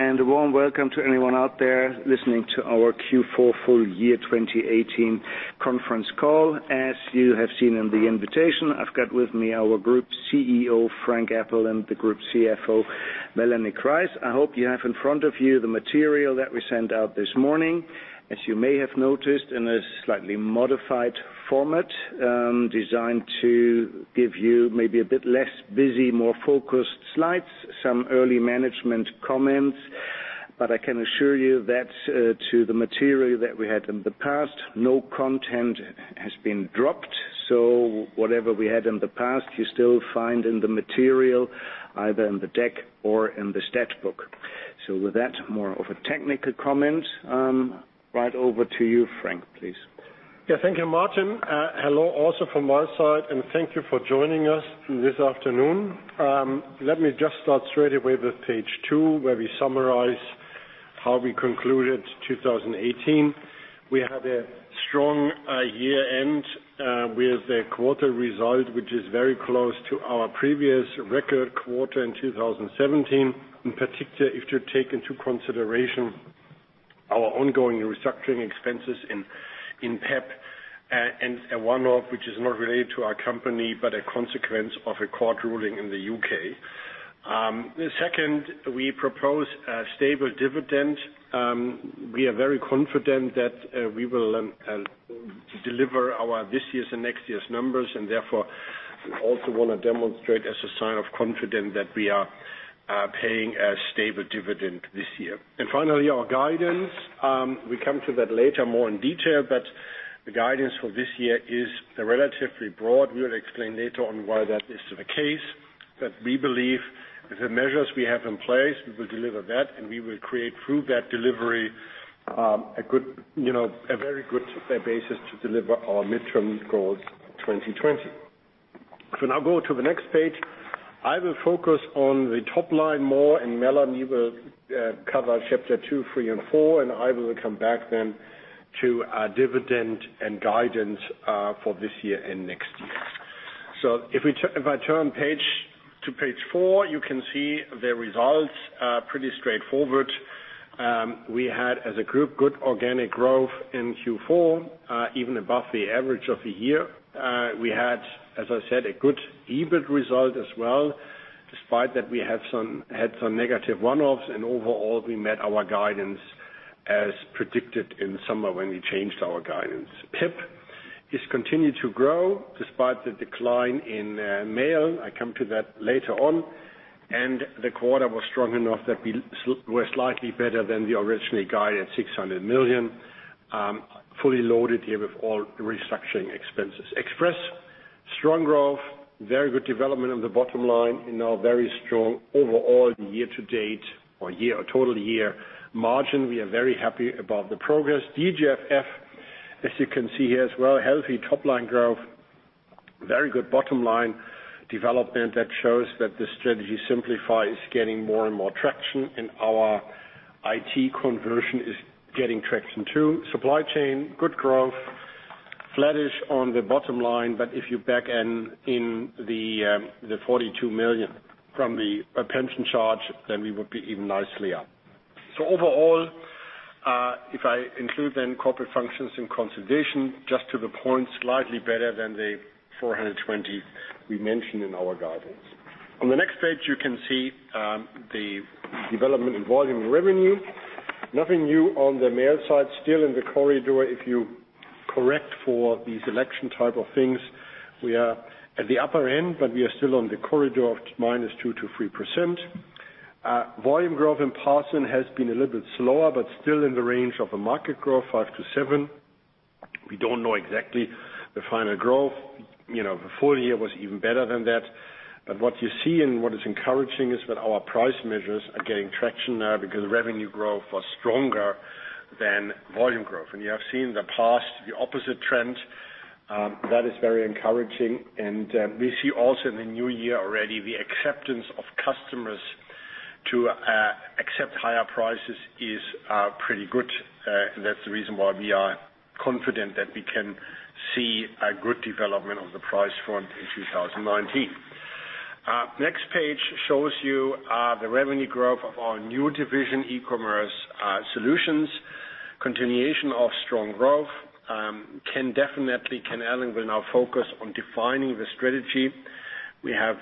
A warm welcome to anyone out there listening to our Q4 full year 2018 conference call. As you have seen in the invitation, I've got with me our group CEO, Frank Appel, and the group CFO, Melanie Kreis. I hope you have in front of you the material that we sent out this morning. As you may have noticed, in a slightly modified format, designed to give you maybe a bit less busy, more focused slides, some early management comments. I can assure you that to the material that we had in the past, no content has been dropped. Whatever we had in the past, you still find in the material either in the deck or in the stat book. With that more of a technical comment, right over to you, Frank, please. Thank you, Martin. Hello, also from my side, and thank you for joining us this afternoon. Let me just start straight away with page two, where we summarize how we concluded 2018. We had a strong year-end, with a quarter result, which is very close to our previous record quarter in 2017. In particular, if you take into consideration our ongoing restructuring expenses in PeP and a one-off, which is not related to our company, but a consequence of a court ruling in the U.K. Second, we propose a stable dividend. We are very confident that we will deliver our this year's and next year's numbers, and therefore, we also want to demonstrate as a sign of confidence that we are paying a stable dividend this year. Finally, our guidance. We come to that later more in detail, but the guidance for this year is relatively broad. We'll explain later on why that is the case. We believe with the measures we have in place, we will deliver that, and we will create through that delivery a very good basis to deliver our midterm goals, 2020. If we now go to the next page, I will focus on the top line more, and Melanie will cover chapter two, three, and four, and I will come back then to our dividend and guidance for this year and next year. If I turn to page four, you can see the results are pretty straightforward. We had, as a group, good organic growth in Q4, even above the average of the year. We had, as I said, a good EBIT result as well, despite that we had some negative one-offs, and overall, we met our guidance as predicted in the summer when we changed our guidance. PeP is continued to grow despite the decline in mail. I come to that later on. The quarter was strong enough that we were slightly better than the originally guided 600 million, fully loaded here with all restructuring expenses. Express, strong growth, very good development of the bottom line and now very strong overall year to date or total year margin. We are very happy about the progress. DGFF, as you can see here as well, healthy top-line growth. Very good bottom-line development that shows that the strategy Simplify is getting more and more traction, and our IT conversion is getting traction, too. Supply Chain, good growth. Flattish on the bottom line, but if you back in the 42 million from the pension charge, then we would be even nicely up. Overall, if I include Corporate Functions in consolidation, just to the point, slightly better than the 420 we mentioned in our guidance. On the next page, you can see the development in volume revenue. Nothing new on the mail side. Still in the corridor. If you correct for these election type of things, we are at the upper end, but we are still on the corridor of -2% to -3%. Volume growth in parcel has been a little bit slower, but still in the range of a market growth, 5%-7%. We don't know exactly the final growth. The full year was even better than that. What you see and what is encouraging is that our price measures are getting traction now because revenue growth was stronger than volume growth. You have seen the past, the opposite trend. That is very encouraging, we see also in the new year already, the acceptance of customers to accept higher prices is pretty good. That's the reason why we are confident that we can see a good development on the price front in 2019. Next page shows you the revenue growth of our new division, eCommerce Solutions. Continuation of strong growth. Can definitely now focus on defining the strategy. We have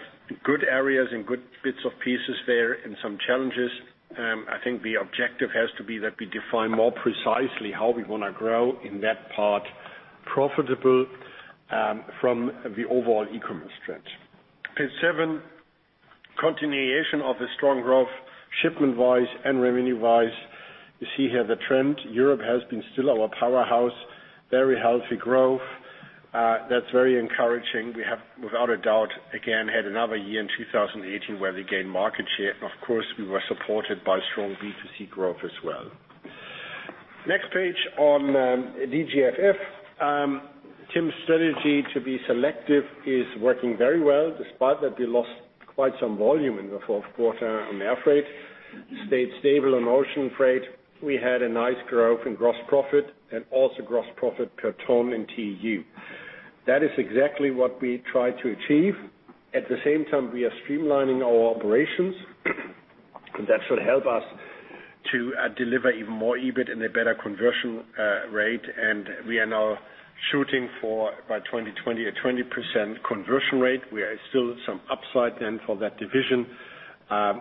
good areas and good bits of pieces there and some challenges. I think the objective has to be that we define more precisely how we want to grow in that part profitable from the overall e-commerce stretch. Page seven, continuation of the strong growth, shipment-wise and revenue-wise. You see here the trend. Europe has been still our powerhouse. Very healthy growth. That's very encouraging. We have, without a doubt, again, had another year in 2018 where we gained market share. Of course, we were supported by strong B2C growth as well. Next page on DGFF. Tim's strategy to be selective is working very well, despite that we lost quite some volume in the fourth quarter on air freight. Stayed stable on ocean freight. We had a nice growth in gross profit and also gross profit per ton in TEU. That is exactly what we try to achieve. At the same time, we are streamlining our operations. That should help us to deliver even more EBIT and a better conversion rate. We are now shooting for by 2020, a 20% conversion rate. We are still some upside then for that division.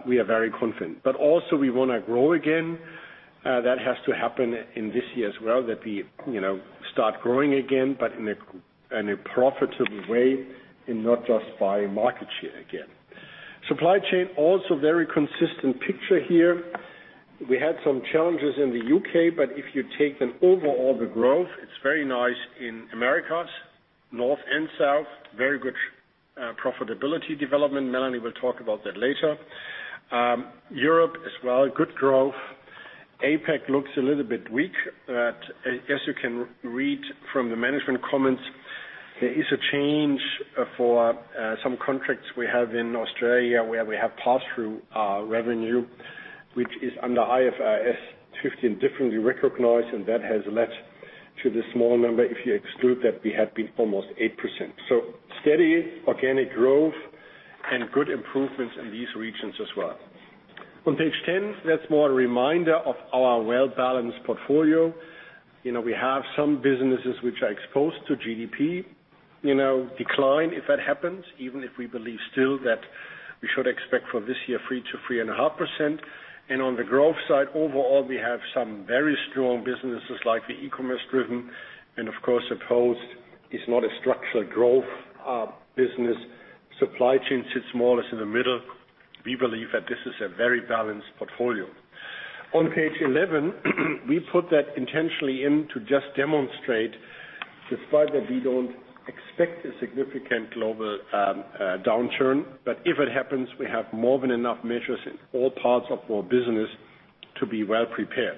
We are very confident. Also we want to grow again. That has to happen in this year as well, that we start growing again, but in a profitable way and not just by market share again. Supply chain, also very consistent picture here. We had some challenges in the U.K., but if you take an overall the growth, it's very nice in Americas, North and South. Very good profitability development. Melanie will talk about that later. Europe as well, good growth. APAC looks a little bit weak, but as you can read from the management comments, there is a change for some contracts we have in Australia where we have passthrough revenue, which is under IFRS 15, differently recognized, and that has led to the small number. If you exclude that, we have been almost 8%. Steady organic growth and good improvements in these regions as well. On page 10, that's more a reminder of our well-balanced portfolio. We have some businesses which are exposed to GDP decline, if that happens, even if we believe still that we should expect for this year 3%-3.5%. On the growth side, overall, we have some very strong businesses like the eCommerce driven. Of course, the Post is not a structural growth business. Supply Chain sits more or less in the middle. We believe that this is a very balanced portfolio. On page 11, we put that intentionally in to just demonstrate, despite that we don't expect a significant global downturn, if it happens, we have more than enough measures in all parts of our business to be well prepared.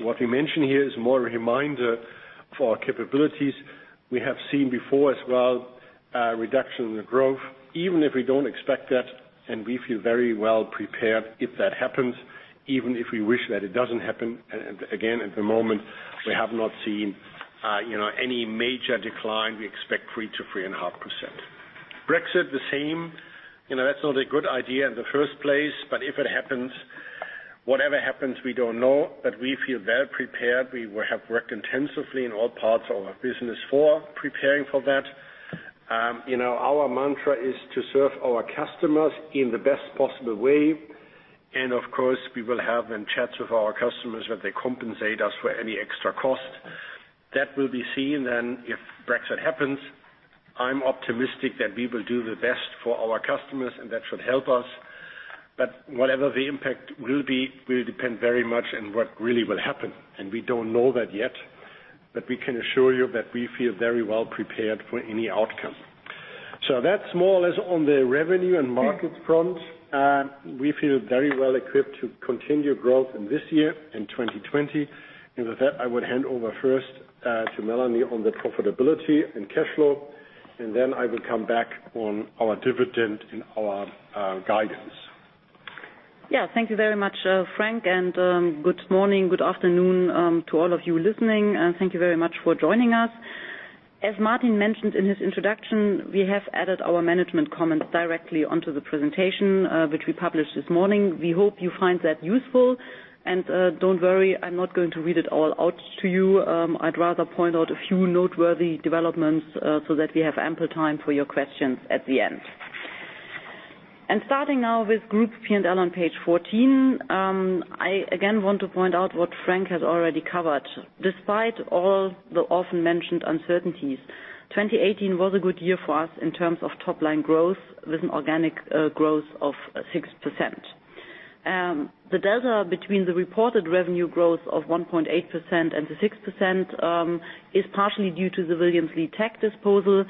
What we mention here is more a reminder for our capabilities. We have seen before as well, a reduction in growth, even if we don't expect that, and we feel very well prepared if that happens, even if we wish that it doesn't happen. Again, at the moment, we have not seen any major decline. We expect 3%-3.5%. Brexit, the same. That's not a good idea in the first place, if it happens, whatever happens, we don't know, we feel well prepared. We have worked intensively in all parts of our business for preparing for that. Our mantra is to serve our customers in the best possible way. Of course, we will have then chats with our customers that they compensate us for any extra cost. That will be seen then if Brexit happens. I'm optimistic that we will do the best for our customers, that should help us. Whatever the impact will be, will depend very much on what really will happen. We don't know that yet, we can assure you that we feel very well prepared for any outcome. That's more or less on the revenue and markets front. We feel very well equipped to continue growth in this year and 2020. With that, I would hand over first to Melanie on the profitability and cash flow, then I will come back on our dividend and our guidance. Thank you very much, Frank, good morning, good afternoon, to all of you listening. Thank you very much for joining us. As Martin mentioned in his introduction, we have added our management comments directly onto the presentation, which we published this morning. We hope you find that useful. Don't worry, I'm not going to read it all out to you. I'd rather point out a few noteworthy developments, that we have ample time for your questions at the end. Starting now with Group P&L on page 14, I again want to point out what Frank has already covered. Despite all the often mentioned uncertainties, 2018 was a good year for us in terms of top-line growth, with an organic growth of 6%. The delta between the reported revenue growth of 1.8% and the 6%, is partially due to the Williams Lea Tag disposal,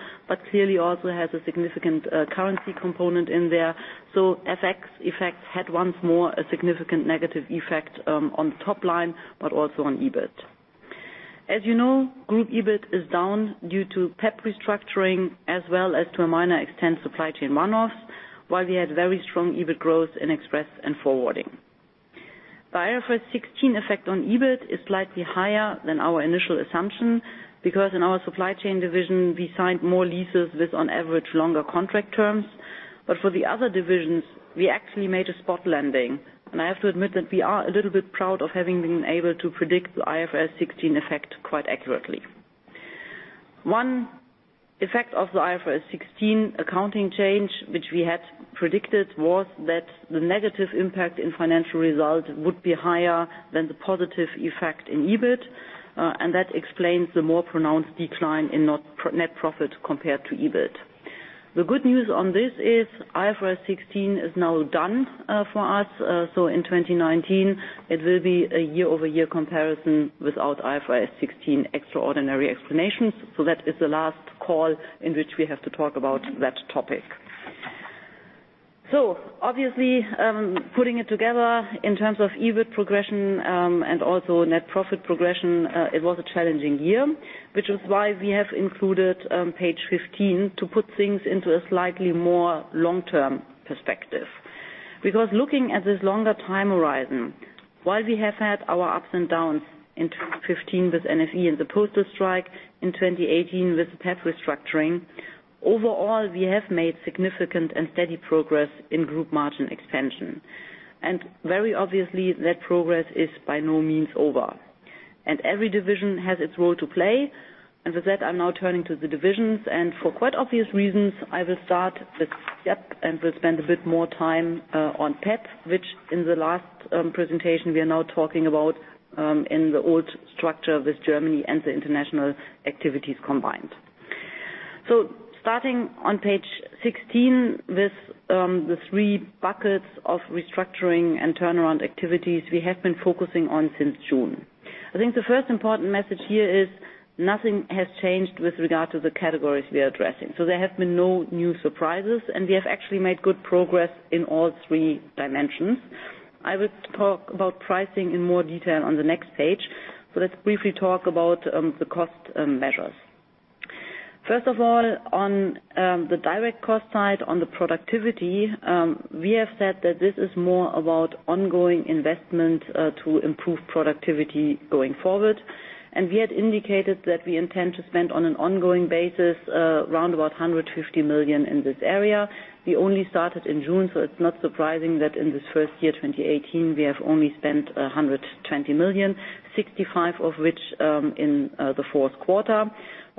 clearly also has a significant currency component in there. FX effects had once more a significant negative effect on the top line, but also on EBIT. As you know, Group EBIT is down due to PeP restructuring as well as to a minor extent, Supply Chain one-offs, while we had very strong EBIT growth in Express and forwarding. The IFRS 16 effect on EBIT is slightly higher than our initial assumption because in our Supply Chain division, we signed more leases with on average longer contract terms. For the other divisions, we actually made a spot landing. I have to admit that we are a little bit proud of having been able to predict the IFRS 16 effect quite accurately. One effect of the IFRS 16 accounting change, which we had predicted, was that the negative impact in financial results would be higher than the positive effect in EBIT. That explains the more pronounced decline in net profit compared to EBIT. The good news on this is IFRS 16 is now done for us. In 2019, it will be a year-over-year comparison without IFRS 16 extraordinary explanations. That is the last call in which we have to talk about that topic. Obviously, putting it together in terms of EBIT progression, and also net profit progression, it was a challenging year, which is why we have included page 15 to put things into a slightly more long-term perspective. Looking at this longer time horizon, while we have had our ups and downs in 2015 with NFE and the postal strike, in 2018 with PeP restructuring, overall, we have made significant and steady progress in group margin expansion. Very obviously, that progress is by no means over. Every division has its role to play. With that, I'm now turning to the divisions. For quite obvious reasons, I will start with PeP, will spend a bit more time on PeP, which in the last presentation we are now talking about in the old structure with Germany and the international activities combined. Starting on page 16 with the three buckets of restructuring and turnaround activities we have been focusing on since June. I think the first important message here is nothing has changed with regard to the categories we are addressing. There have been no new surprises, and we have actually made good progress in all three dimensions. I will talk about pricing in more detail on the next page. Let's briefly talk about the cost measures. First of all, on the direct cost side, on the productivity, we have said that this is more about ongoing investment to improve productivity going forward. We had indicated that we intend to spend on an ongoing basis, around about 150 million in this area. We only started in June, it's not surprising that in this first year, 2018, we have only spent 120 million, 65 million of which in the fourth quarter.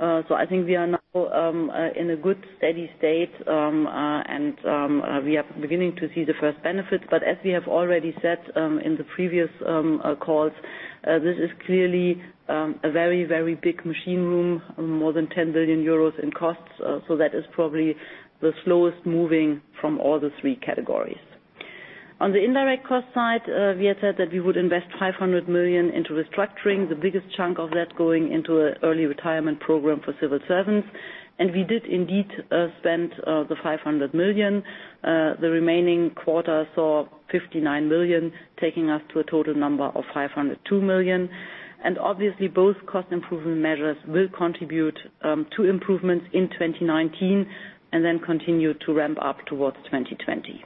I think we are now in a good, steady state, and we are beginning to see the first benefits. As we have already said in the previous calls, this is clearly a very, very big machine room, more than 10 billion euros in costs. That is probably the slowest moving from all the three categories. On the indirect cost side, we had said that we would invest 500 million into restructuring, the biggest chunk of that going into an early retirement program for civil servants. We did indeed spend the 500 million. The remaining quarter saw 59 million, taking us to a total number of 502 million. Obviously both cost improvement measures will contribute to improvements in 2019, continue to ramp up towards 2020.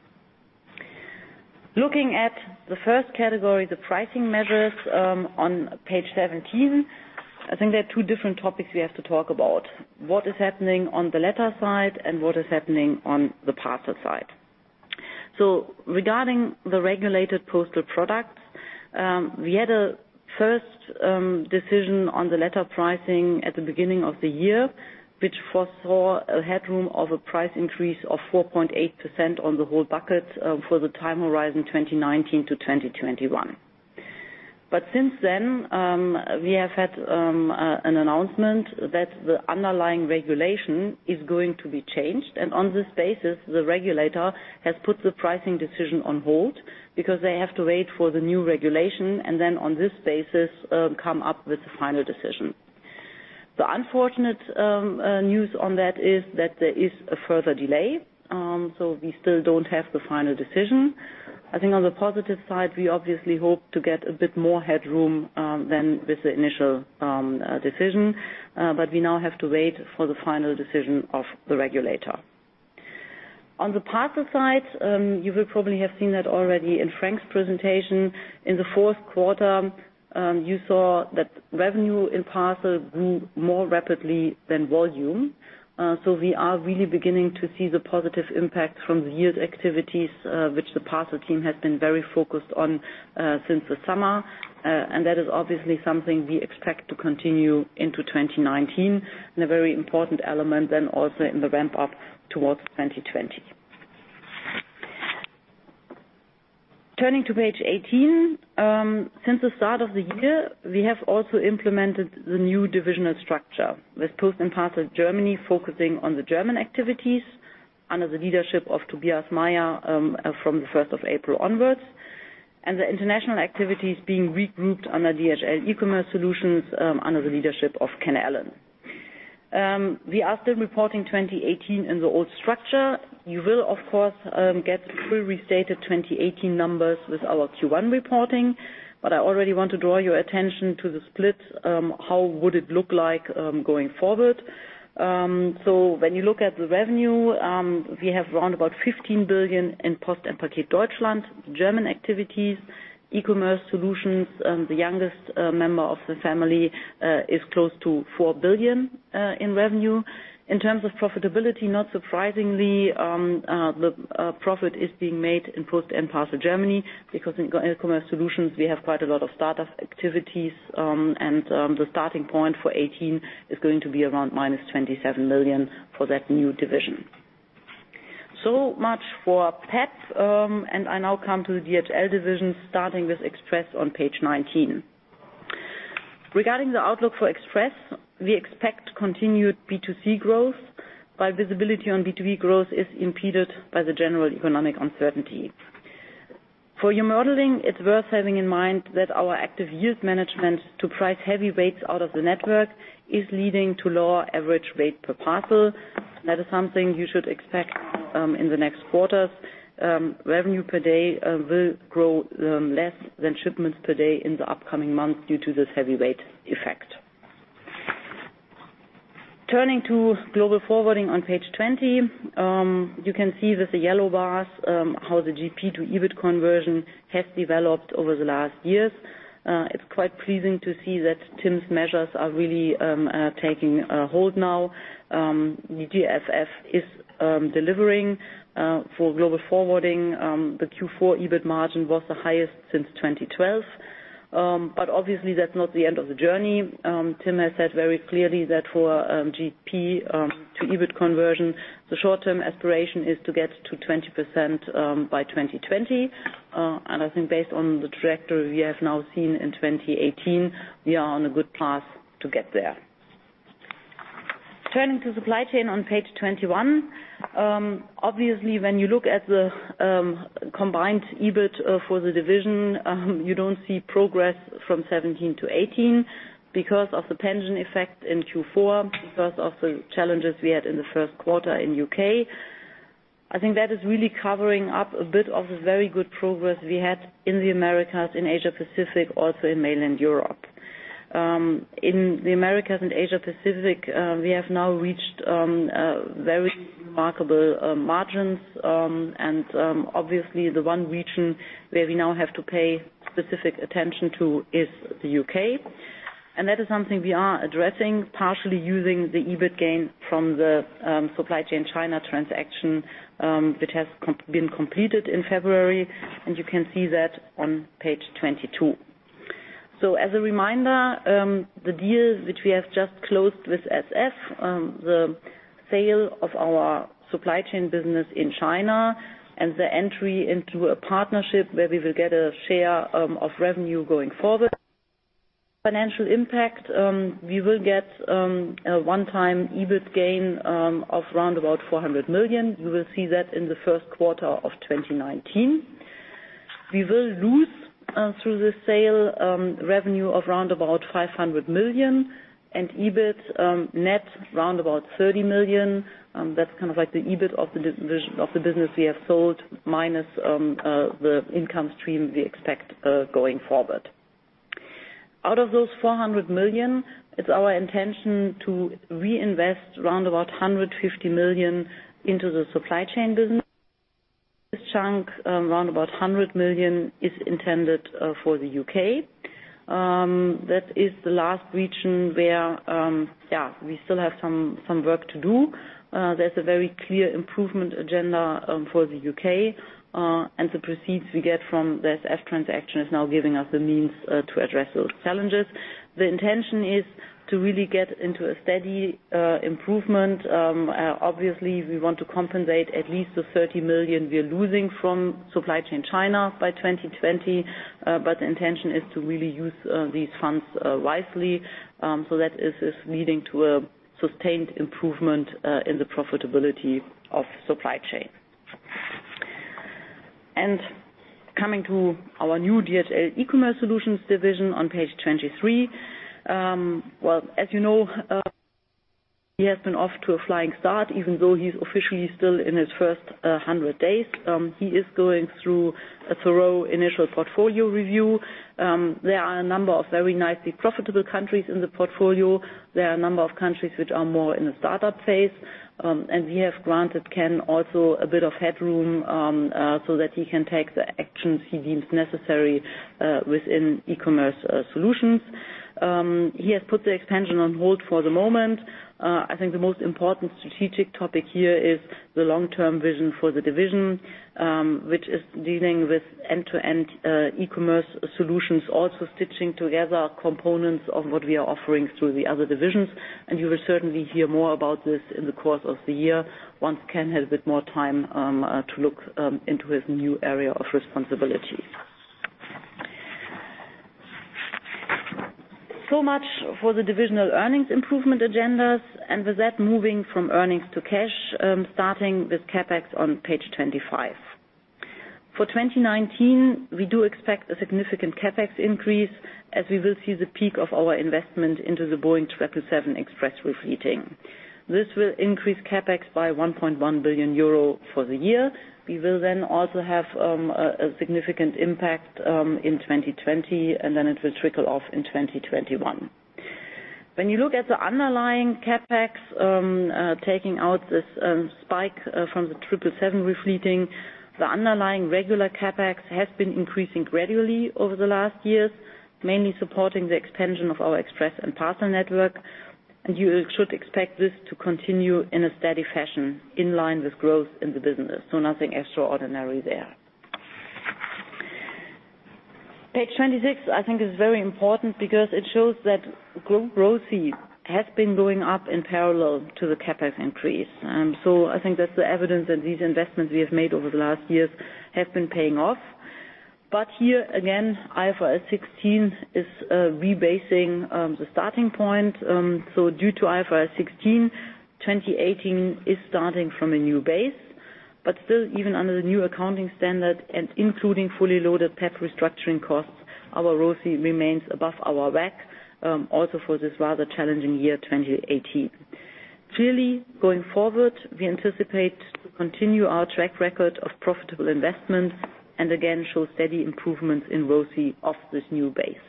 Looking at the first category, the pricing measures, on page 17, I think there are two different topics we have to talk about. What is happening on the letter side and what is happening on the parcel side. Regarding the regulated postal products, we had a first decision on the letter pricing at the beginning of the year, which foresaw a headroom of a price increase of 4.8% on the whole bucket for the time horizon 2019 to 2021. Since then, we have had an announcement that the underlying regulation is going to be changed. On this basis, the regulator has put the pricing decision on hold because they have to wait for the new regulation, on this basis, come up with the final decision. The unfortunate news on that is that there is a further delay. We still don't have the final decision. I think on the positive side, we obviously hope to get a bit more headroom than with the initial decision. We now have to wait for the final decision of the regulator. On the parcel side, you will probably have seen that already in Frank's presentation. In the fourth quarter, you saw that revenue in parcel grew more rapidly than volume. We are really beginning to see the positive impact from the yield activities, which the parcel team has been very focused on since the summer. That is obviously something we expect to continue into 2019, a very important element also in the ramp-up towards 2020. Turning to page 18. Since the start of the year, we have also implemented the new divisional structure with Post and Parcel Germany focusing on the German activities under the leadership of Tobias Meyer from the 1st of April onwards. The international activities being regrouped under DHL eCommerce Solutions, under the leadership of Ken Allen. We are still reporting 2018 in the old structure. You will, of course, get full restated 2018 numbers with our Q1 reporting, I already want to draw your attention to the split, how would it look like going forward. When you look at the revenue, we have around about 15 billion in Post & Paket Deutschland, German activities, eCommerce Solutions, the youngest member of the family, is close to 4 billion in revenue. In terms of profitability, not surprisingly, the profit is being made in Post & Parcel Germany, because in eCommerce Solutions, we have quite a lot of startup activities, and the starting point for 2018 is going to be around -27 million for that new division. So much for PeP, I now come to the DHL division, starting with Express on page 19. Regarding the outlook for Express, we expect continued B2C growth, while visibility on B2B growth is impeded by the general economic uncertainty. For your modeling, it's worth having in mind that our active yield management to price heavy weights out of the network is leading to lower average weight per parcel. That is something you should expect in the next quarters. Revenue per day will grow less than shipments per day in the upcoming months due to this heavyweight effect. Turning to Global Forwarding on page 20. You can see with the yellow bars how the GP to EBIT conversion has developed over the last years. It's quite pleasing to see that Tim's measures are really taking a hold now. The GSF is delivering for Global Forwarding. The Q4 EBIT margin was the highest since 2012. But obviously, that's not the end of the journey. Tim has said very clearly that for GP to EBIT conversion, the short-term aspiration is to get to 20% by 2020. I think based on the trajectory we have now seen in 2018, we are on a good path to get there. Turning to Supply Chain on page 21. Obviously, when you look at the combined EBIT for the division, you don't see progress from 2017 to 2018 because of the pension effect in Q4, because of the challenges we had in the first quarter in U.K. I think that is really covering up a bit of the very good progress we had in the Americas, in Asia Pacific, also in mainland Europe. In the Americas and Asia Pacific, we have now reached very remarkable margins. Obviously, the one region where we now have to pay specific attention to is the U.K. That is something we are addressing, partially using the EBIT gain from the Supply Chain China transaction that has been completed in February, you can see that on page 22. So as a reminder, the deal which we have just closed with SF, the sale of our Supply Chain business in China and the entry into a partnership where we will get a share of revenue going forward. Financial impact, we will get a one-time EBIT gain of round about 400 million. You will see that in the first quarter of 2019. We will lose through the sale revenue of round about 500 million, and EBIT net round about 30 million. That's kind of like the EBIT of the business we have sold, minus the income stream we expect going forward. Out of those 400 million, it's our intention to reinvest round about 150 million into the Supply Chain business. This chunk, round about 100 million is intended for the U.K. That is the last region where we still have some work to do. There's a very clear improvement agenda for the U.K. The proceeds we get from the SF transaction is now giving us the means to address those challenges. The intention is to really get into a steady improvement. Obviously, we want to compensate at least the 30 million we are losing from Supply Chain China by 2020. But the intention is to really use these funds wisely. That is leading to a sustained improvement in the profitability of Supply Chain. Coming to our new DHL eCommerce Solutions division on page 23. Well, as you know, he has been off to a flying start, even though he's officially still in his first 100 days. He is going through a thorough initial portfolio review. There are a number of very nicely profitable countries in the portfolio. There are a number of countries which are more in a startup phase. We have granted Ken also a bit of headroom, so that he can take the actions he deems necessary within eCommerce Solutions. He has put the expansion on hold for the moment. I think the most important strategic topic here is the long-term vision for the division, which is dealing with end-to-end e-commerce solutions, also stitching together components of what we are offering through the other divisions. You will certainly hear more about this in the course of the year, once Ken has a bit more time to look into his new area of responsibility. Much for the divisional earnings improvement agendas. With that, moving from earnings to cash, starting with CapEx on page 25. For 2019, we do expect a significant CapEx increase, as we will see the peak of our investment into the Boeing 777 Express refleeting. This will increase CapEx by 1.1 billion euro for the year. We will then also have a significant impact in 2020, and then it will trickle off in 2021. When you look at the underlying CapEx, taking out this spike from the 777 refleeting, the underlying regular CapEx has been increasing gradually over the last years, mainly supporting the expansion of our Express and Parcel network. You should expect this to continue in a steady fashion, in line with growth in the business. Nothing extraordinary there. Page 26, I think is very important because it shows that group ROCE has been going up in parallel to the CapEx increase. I think that's the evidence that these investments we have made over the last years have been paying off. Here again, IFRS 16 is re-basing the starting point. Due to IFRS 16, 2018 is starting from a new base. Still, even under the new accounting standard and including fully loaded PeP restructuring costs, our ROCE remains above our WACC, also for this rather challenging year, 2018. Clearly, going forward, we anticipate to continue our track record of profitable investments and again, show steady improvements in ROCE off this new base.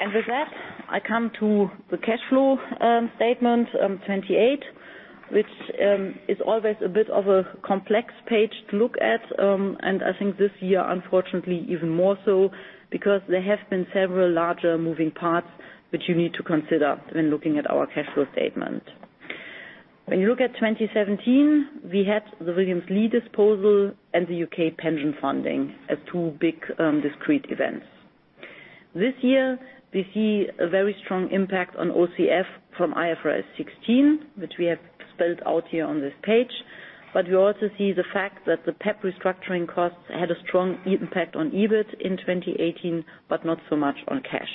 With that, I come to the cash flow statement on page 28, which is always a bit of a complex page to look at. I think this year, unfortunately, even more so because there have been several larger moving parts, which you need to consider when looking at our cash flow statement. When you look at 2017, we had the Williams Lea disposal and the U.K. pension funding as two big discrete events. This year, we see a very strong impact on OCF from IFRS 16, which we have spelled out here on this page. We also see the fact that the PeP restructuring costs had a strong impact on EBIT in 2018, but not so much on cash.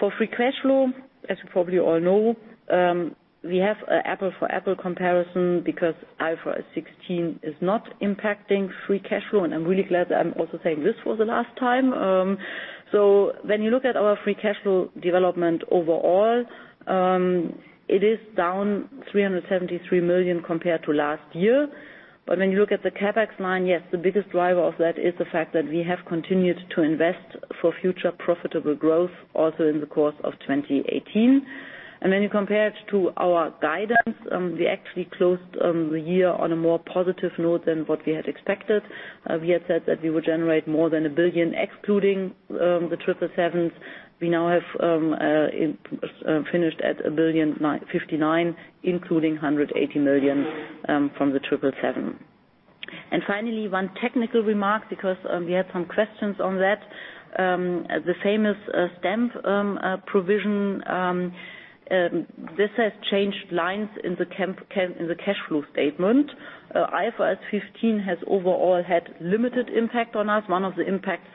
For free cash flow, as you probably all know, we have an apple-for-apple comparison because IFRS 16 is not impacting free cash flow, and I'm really glad that I'm also saying this for the last time. When you look at our free cash flow development overall, it is down 373 million compared to last year. When you look at the CapEx line, yes, the biggest driver of that is the fact that we have continued to invest for future profitable growth also in the course of 2018. When you compare it to our guidance, we actually closed the year on a more positive note than what we had expected. We had said that we would generate more than 1 billion, excluding the 777s. We now have finished at 1,059 million, including 180 million from the 777. Finally, one technical remark, because we had some questions on that. The famous stamp provision, this has changed lines in the cash flow statement. IFRS 15 has overall had limited impact on us. One of the impacts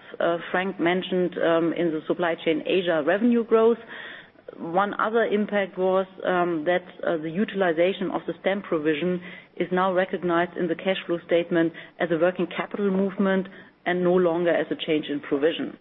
Frank mentioned in the Supply Chain Asia revenue growth. One other impact was that the utilization of the stamp provision is now recognized in the cash flow statement as a working capital movement and no longer as a change in provision.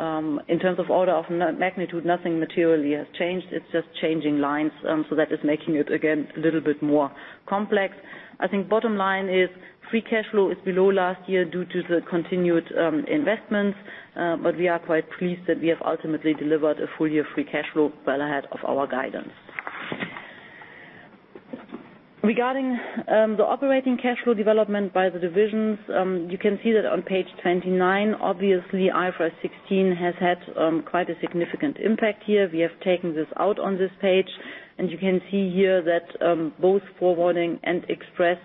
In terms of order of magnitude, nothing materially has changed. It's just changing lines. That is making it, again, a little bit more complex. I think bottom line is free cash flow is below last year due to the continued investments, but we are quite pleased that we have ultimately delivered a full year free cash flow well ahead of our guidance. Regarding the operating cash flow development by the divisions, you can see that on page 29. Obviously, IFRS 16 has had quite a significant impact here. We have taken this out on this page, and you can see here that both Forwarding and Express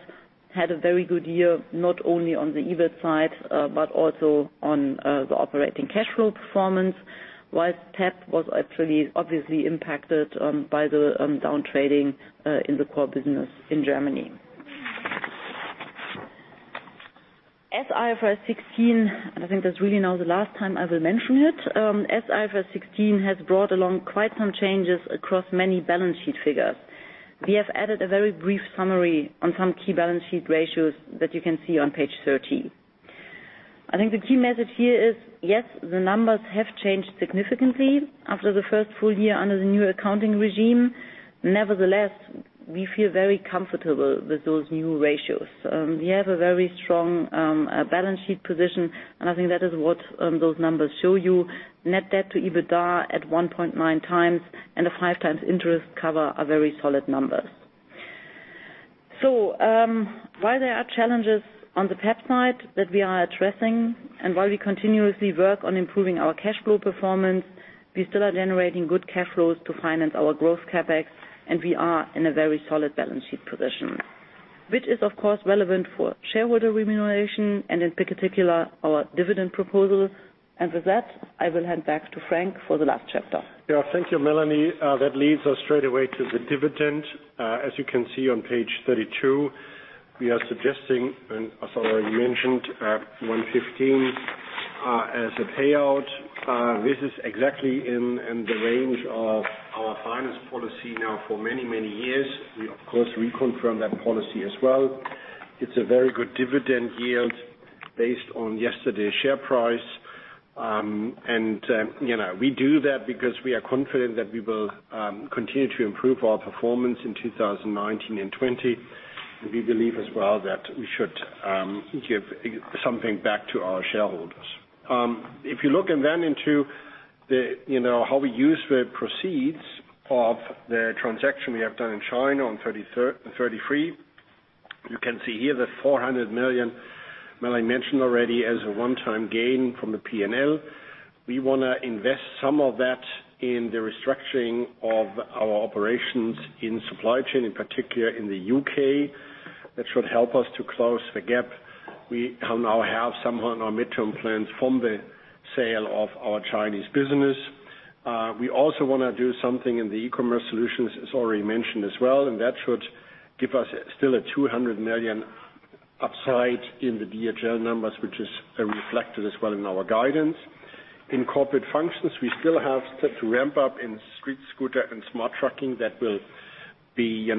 had a very good year, not only on the EBIT side, but also on the operating cash flow performance. While PeP was actually obviously impacted by the downtrading in the core business in Germany. I think that's really now the last time I will mention it. As IFRS 16 has brought along quite some changes across many balance sheet figures. We have added a very brief summary on some key balance sheet ratios that you can see on page 13. I think the key message here is, yes, the numbers have changed significantly after the first full year under the new accounting regime. Nevertheless, we feel very comfortable with those new ratios. We have a very strong balance sheet position, and I think that is what those numbers show you. Net debt to EBITDA at 1.9 times and a five times interest cover are very solid numbers. While there are challenges on the PeP side that we are addressing and while we continuously work on improving our cash flow performance, we still are generating good cash flows to finance our growth CapEx, and we are in a very solid balance sheet position. Which is, of course, relevant for shareholder remuneration and in particular, our dividend proposal. With that, I will hand back to Frank for the last chapter. Thank you, Melanie. That leads us straight away to the dividend. As you can see on page 32, we are suggesting, and as already mentioned, 1.15 as a payout. This is exactly in the range of our Finance policy now for many, many years. We, of course, reconfirm that policy as well. It's a very good dividend yield based on yesterday's share price. We do that because we are confident that we will continue to improve our performance in 2019 and 2020. We believe as well that we should give something back to our shareholders. If you look then into how we use the proceeds of the transaction we have done in China on page 33, you can see here the 400 million Melanie mentioned already as a one-time gain from the P&L. We want to invest some of that in the restructuring of our operations in Supply Chain, in particular in the U.K. That should help us to close the gap. We now have some on our midterm plans from the sale of our Chinese business. We also want to do something in the eCommerce Solutions, as already mentioned as well, and that should give us still a 200 million upside in the DHL numbers, which is reflected as well in our guidance. In Corporate Functions, we still have to ramp up in StreetScooter and Smart Trucking that will be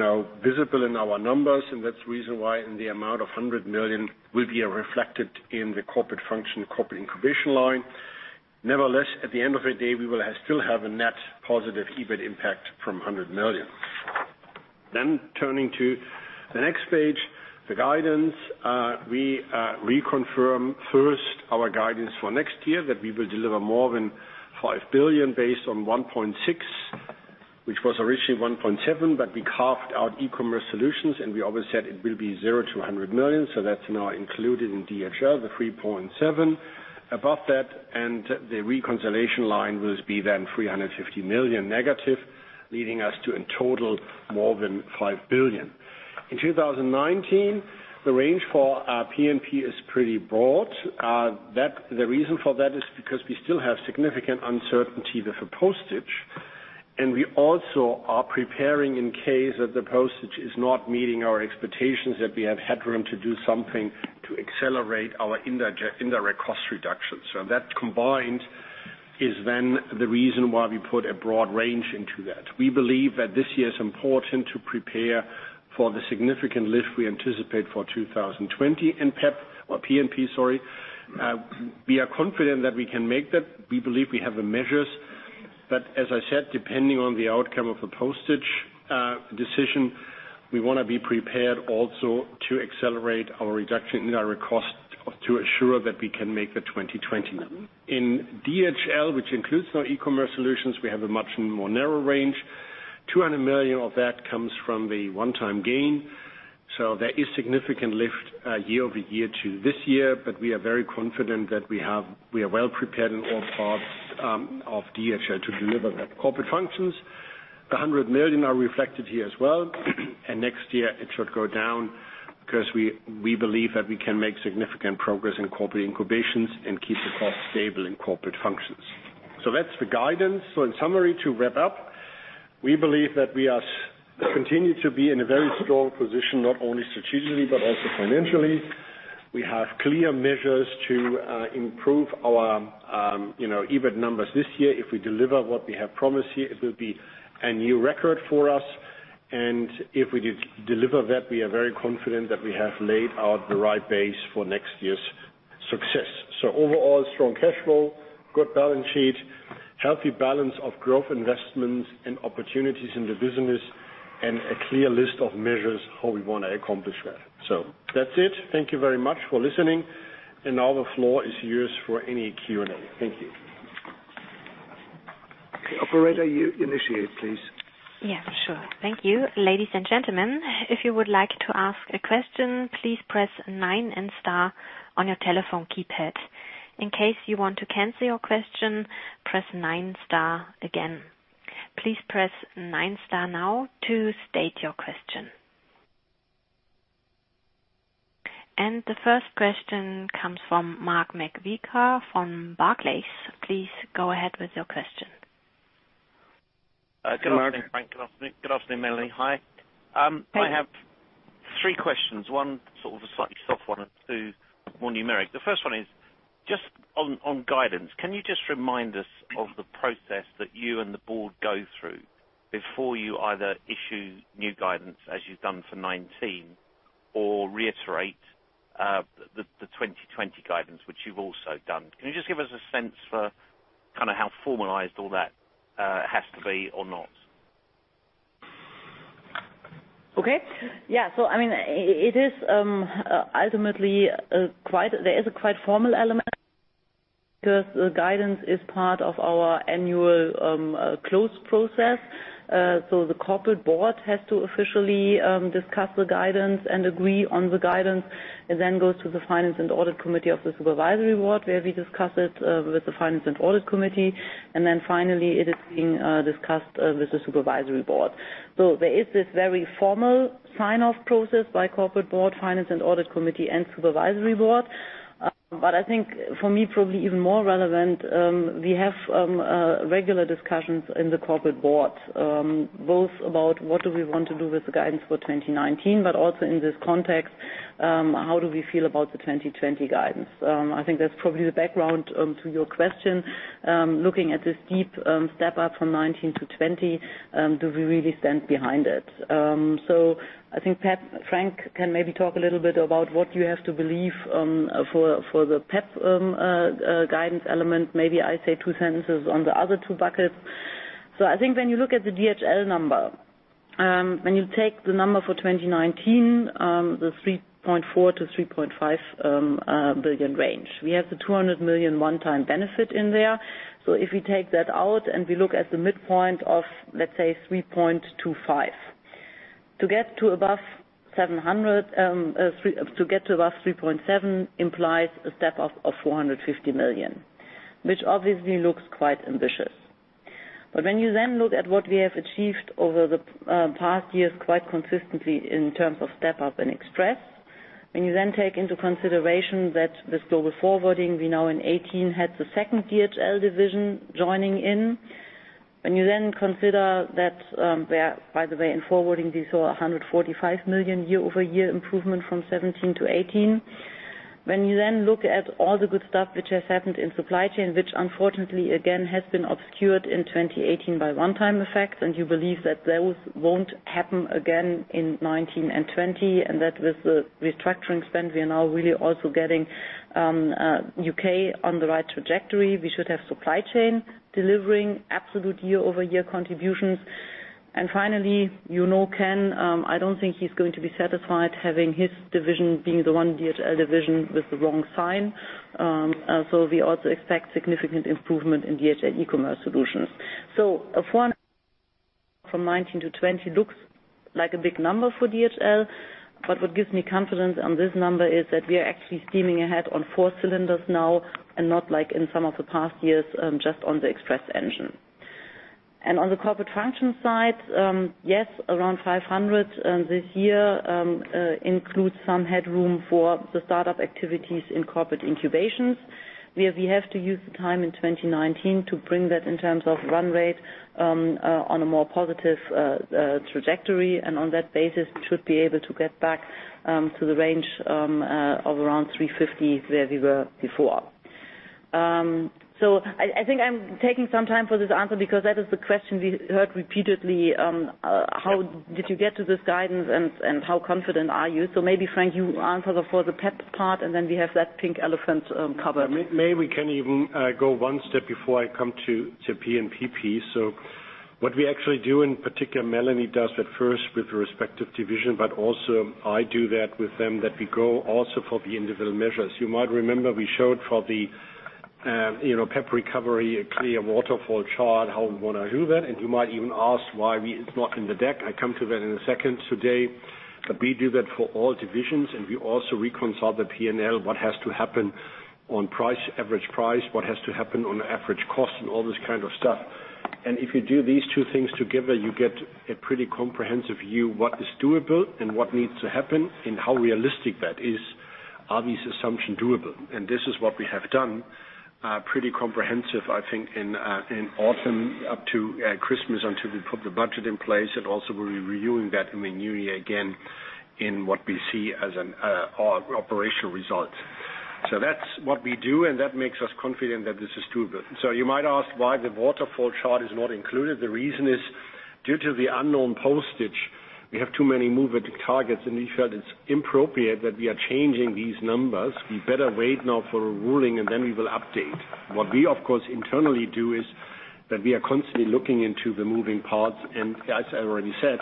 visible in our numbers, and that's the reason why the amount of 100 million will be reflected in the Corporate Function, Corporate Incubation line. Nevertheless, at the end of the day, we will still have a net positive EBIT impact from 100 million. Turning to the next page, the guidance. We reconfirm first our guidance for next year, that we will deliver more than 5 billion based on 1.6 billion, which was originally 1.7 billion, but we carved out eCommerce Solutions, and we always said it will be 0 to 100 million, so that's now included in DHL, the 3.7 billion. Above that, and the reconciliation line will be then 350 million negative, leading us to, in total, more than 5 billion. In 2019, the range for our P&P is pretty broad. The reason for that is because we still have significant uncertainty with the postage. We also are preparing in case that the postage is not meeting our expectations, that we have headroom to do something to accelerate our indirect cost reduction. That combined is then the reason why we put a broad range into that. We believe that this year is important to prepare for the significant lift we anticipate for 2020 in P&P, sorry. We are confident that we can make that. We believe we have the measures. As I said, depending on the outcome of the postage decision, we want to be prepared also to accelerate our reduction in our cost to assure that we can make the 2020. In DHL, which includes our eCommerce Solutions, we have a much more narrow range. 200 million of that comes from the one-time gain. There is significant lift year-over-year to this year, but we are very confident that we are well prepared in all parts of DHL to deliver that. Corporate functions, 100 million are reflected here as well. Next year it should go down because we believe that we can make significant progress in Corporate Incubations and keep the cost stable in Corporate Functions. That's the guidance. In summary, to wrap up, we believe that we continue to be in a very strong position, not only strategically but also financially. We have clear measures to improve our EBIT numbers this year. If we deliver what we have promised here, it will be a new record for us. If we deliver that, we are very confident that we have laid out the right base for next year's success. Overall, strong cash flow, good balance sheet, healthy balance of growth investments and opportunities in the business, and a clear list of measures how we want to accomplish that. That's it. Thank you very much for listening. Now the floor is yours for any Q&A. Thank you. Operator, you initiate, please. Sure. Thank you. Ladies and gentlemen, if you would like to ask a question, please press 9 and star on your telephone keypad. In case you want to cancel your question, press 9 star again. Please press 9 star now to state your question. The first question comes from Mark McVicar from Barclays. Please go ahead with your question. Good afternoon, Frank. Good afternoon, Melanie. Hi. Hey. I have 3 questions, 1 sort of a slightly soft one and 2 more numeric. The first one is just on guidance. Can you just remind us of the process that you and the board go through before you either issue new guidance as you've done for 2019 or reiterate the 2020 guidance, which you've also done? Can you just give us a sense for how formalized all that has to be or not? Okay. Yeah. There is a quite formal element because the guidance is part of our annual close process. The Corporate Board has to officially discuss the guidance and agree on the guidance. It then goes to the Finance and Audit Committee of the Supervisory Board, where we discuss it with the Finance and Audit Committee. And then finally, it is being discussed with the Supervisory Board. There is this very formal sign-off process by Corporate Board, Finance and Audit Committee, and Supervisory Board. But I think, for me, probably even more relevant, we have regular discussions in the Corporate Board, both about what do we want to do with the guidance for 2019, but also in this context, how do we feel about the 2020 guidance? I think that's probably the background to your question. Looking at this steep step-up from 2019 to 2020, do we really stand behind it? I think Frank can maybe talk a little bit about what you have to believe for the PeP guidance element. Maybe I say 2 sentences on the other 2 buckets. I think when you look at the DHL number, when you take the number for 2019, the 3.4 billion-3.5 billion range. We have the 200 million one-time benefit in there. If we take that out and we look at the midpoint of, let's say, 3.25 billion. To get to above 3.7 billion implies a step-up of 450 million, which obviously looks quite ambitious. When you then look at what we have achieved over the past years quite consistently in terms of step-up in Express, when you then take into consideration that with Global Forwarding, we now in 2018 had the second DHL division joining in. When you then consider that, by the way, in Forwarding, we saw 145 million year-over-year improvement from 2017 to 2018. When you then look at all the good stuff which has happened in Supply Chain, which unfortunately, again, has been obscured in 2018 by one-time effects, and you believe that those won't happen again in 2019 and 2020, and that with the restructuring spend, we are now really also getting U.K. on the right trajectory. We should have Supply Chain delivering absolute year-over-year contributions Finally, you know Ken, I don't think he's going to be satisfied having his division being the one DHL division with the wrong sign. We also expect significant improvement in DHL eCommerce Solutions. From 2019 to 2020 looks like a big number for DHL, but what gives me confidence on this number is that we are actually steaming ahead on four cylinders now, and not like in some of the past years, just on the Express engine. On the Corporate Function side, yes, around 500 this year includes some headroom for the startup activities in Corporate Incubations, where we have to use the time in 2019 to bring that in terms of run rate, on a more positive trajectory. On that basis, should be able to get back to the range of around 350 where we were before. I think I'm taking some time for this answer because that is the question we heard repeatedly. How did you get to this guidance, and how confident are you? Maybe, Frank, you answer for the PeP part, and then we have that pink elephant covered. Maybe we can even go one step before I come to P&P. What we actually do, in particular Melanie does at first with the respective division, but also I do that with them, that we go also for the individual measures. You might remember we showed for the PeP recovery, a clear waterfall chart, how we want to do that. You might even ask why it's not in the deck. I come to that in a second today. We do that for all divisions, and we also reconcile the P&L, what has to happen on average price, what has to happen on average cost, and all this kind of stuff. If you do these two things together, you get a pretty comprehensive view what is doable and what needs to happen and how realistic that is. Are these assumptions doable? This is what we have done, pretty comprehensive, I think, in autumn up to Christmas, until we put the budget in place. We'll be reviewing that in the new year again in what we see as operational results. That's what we do, and that makes us confident that this is doable. You might ask why the waterfall chart is not included. The reason is due to the unknown postage, we have too many moving targets, and we felt it's inappropriate that we are changing these numbers. We better wait now for a ruling, and then we will update. What we, of course, internally do is that we are constantly looking into the moving parts. As I already said,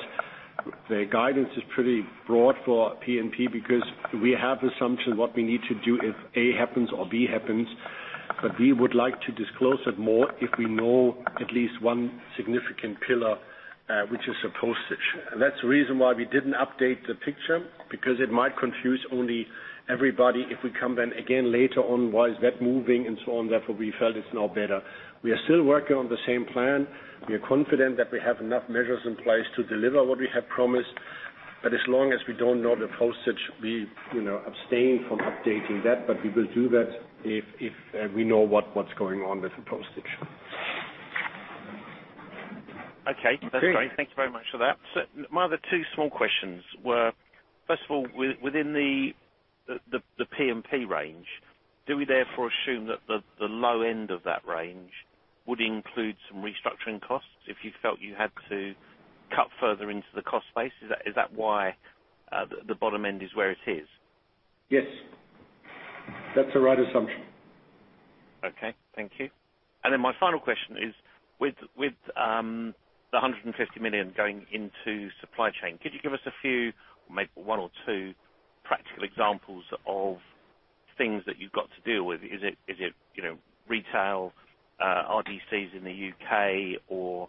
the guidance is pretty broad for P&P because we have assumption what we need to do if A happens or B happens. We would like to disclose it more if we know at least one significant pillar, which is the postage. That's the reason why we didn't update the picture, because it might confuse only everybody if we come then again later on, why is that moving and so on. Therefore, we felt it's now better. We are still working on the same plan. We are confident that we have enough measures in place to deliver what we have promised. As long as we don't know the postage, we abstain from updating that, but we will do that if we know what's going on with the postage. Okay. That's great. Okay. Thank you very much for that. My other two small questions were, first of all, within the P&P range, do we therefore assume that the low end of that range would include some restructuring costs if you felt you had to cut further into the cost base? Is that why the bottom end is where it is? Yes. That's the right assumption. My final question is with the 150 million going into Supply Chain, could you give us a few, maybe one or two practical examples of things that you've got to deal with? Is it retail RDCs in the U.K. or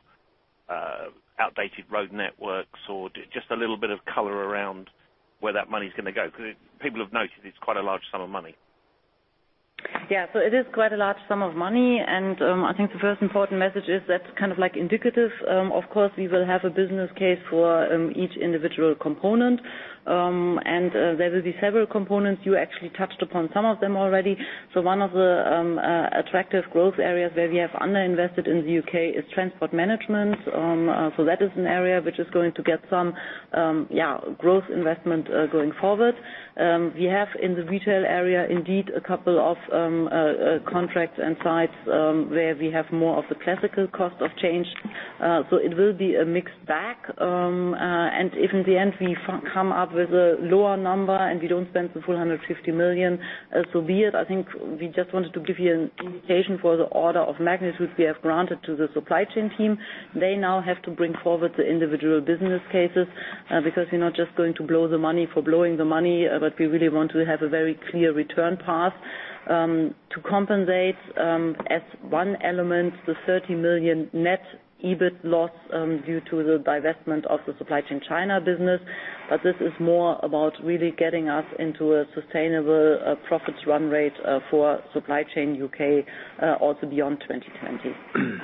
outdated road networks? Just a little bit of color around where that money's going to go. People have noted it's quite a large sum of money. It is quite a large sum of money, and I think the first important message is that's kind of indicative. Of course, we will have a business case for each individual component. There will be several components. You actually touched upon some of them already. One of the attractive growth areas where we have under-invested in the U.K. is transport management. That is an area which is going to get some growth investment going forward. We have in the retail area, indeed, a couple of contracts and sites, where we have more of the classical cost of change. It will be a mixed bag. If in the end we come up with a lower number and we don't spend the full 150 million, so be it. I think we just wanted to give you an indication for the order of magnitude we have granted to the Supply Chain team. They now have to bring forward the individual business cases, we're not just going to blow the money for blowing the money, but we really want to have a very clear return path, to compensate, as one element, the 30 million net EBIT loss due to the divestment of the Supply Chain China business. This is more about really getting us into a sustainable profits run rate for Supply Chain U.K. also beyond 2020.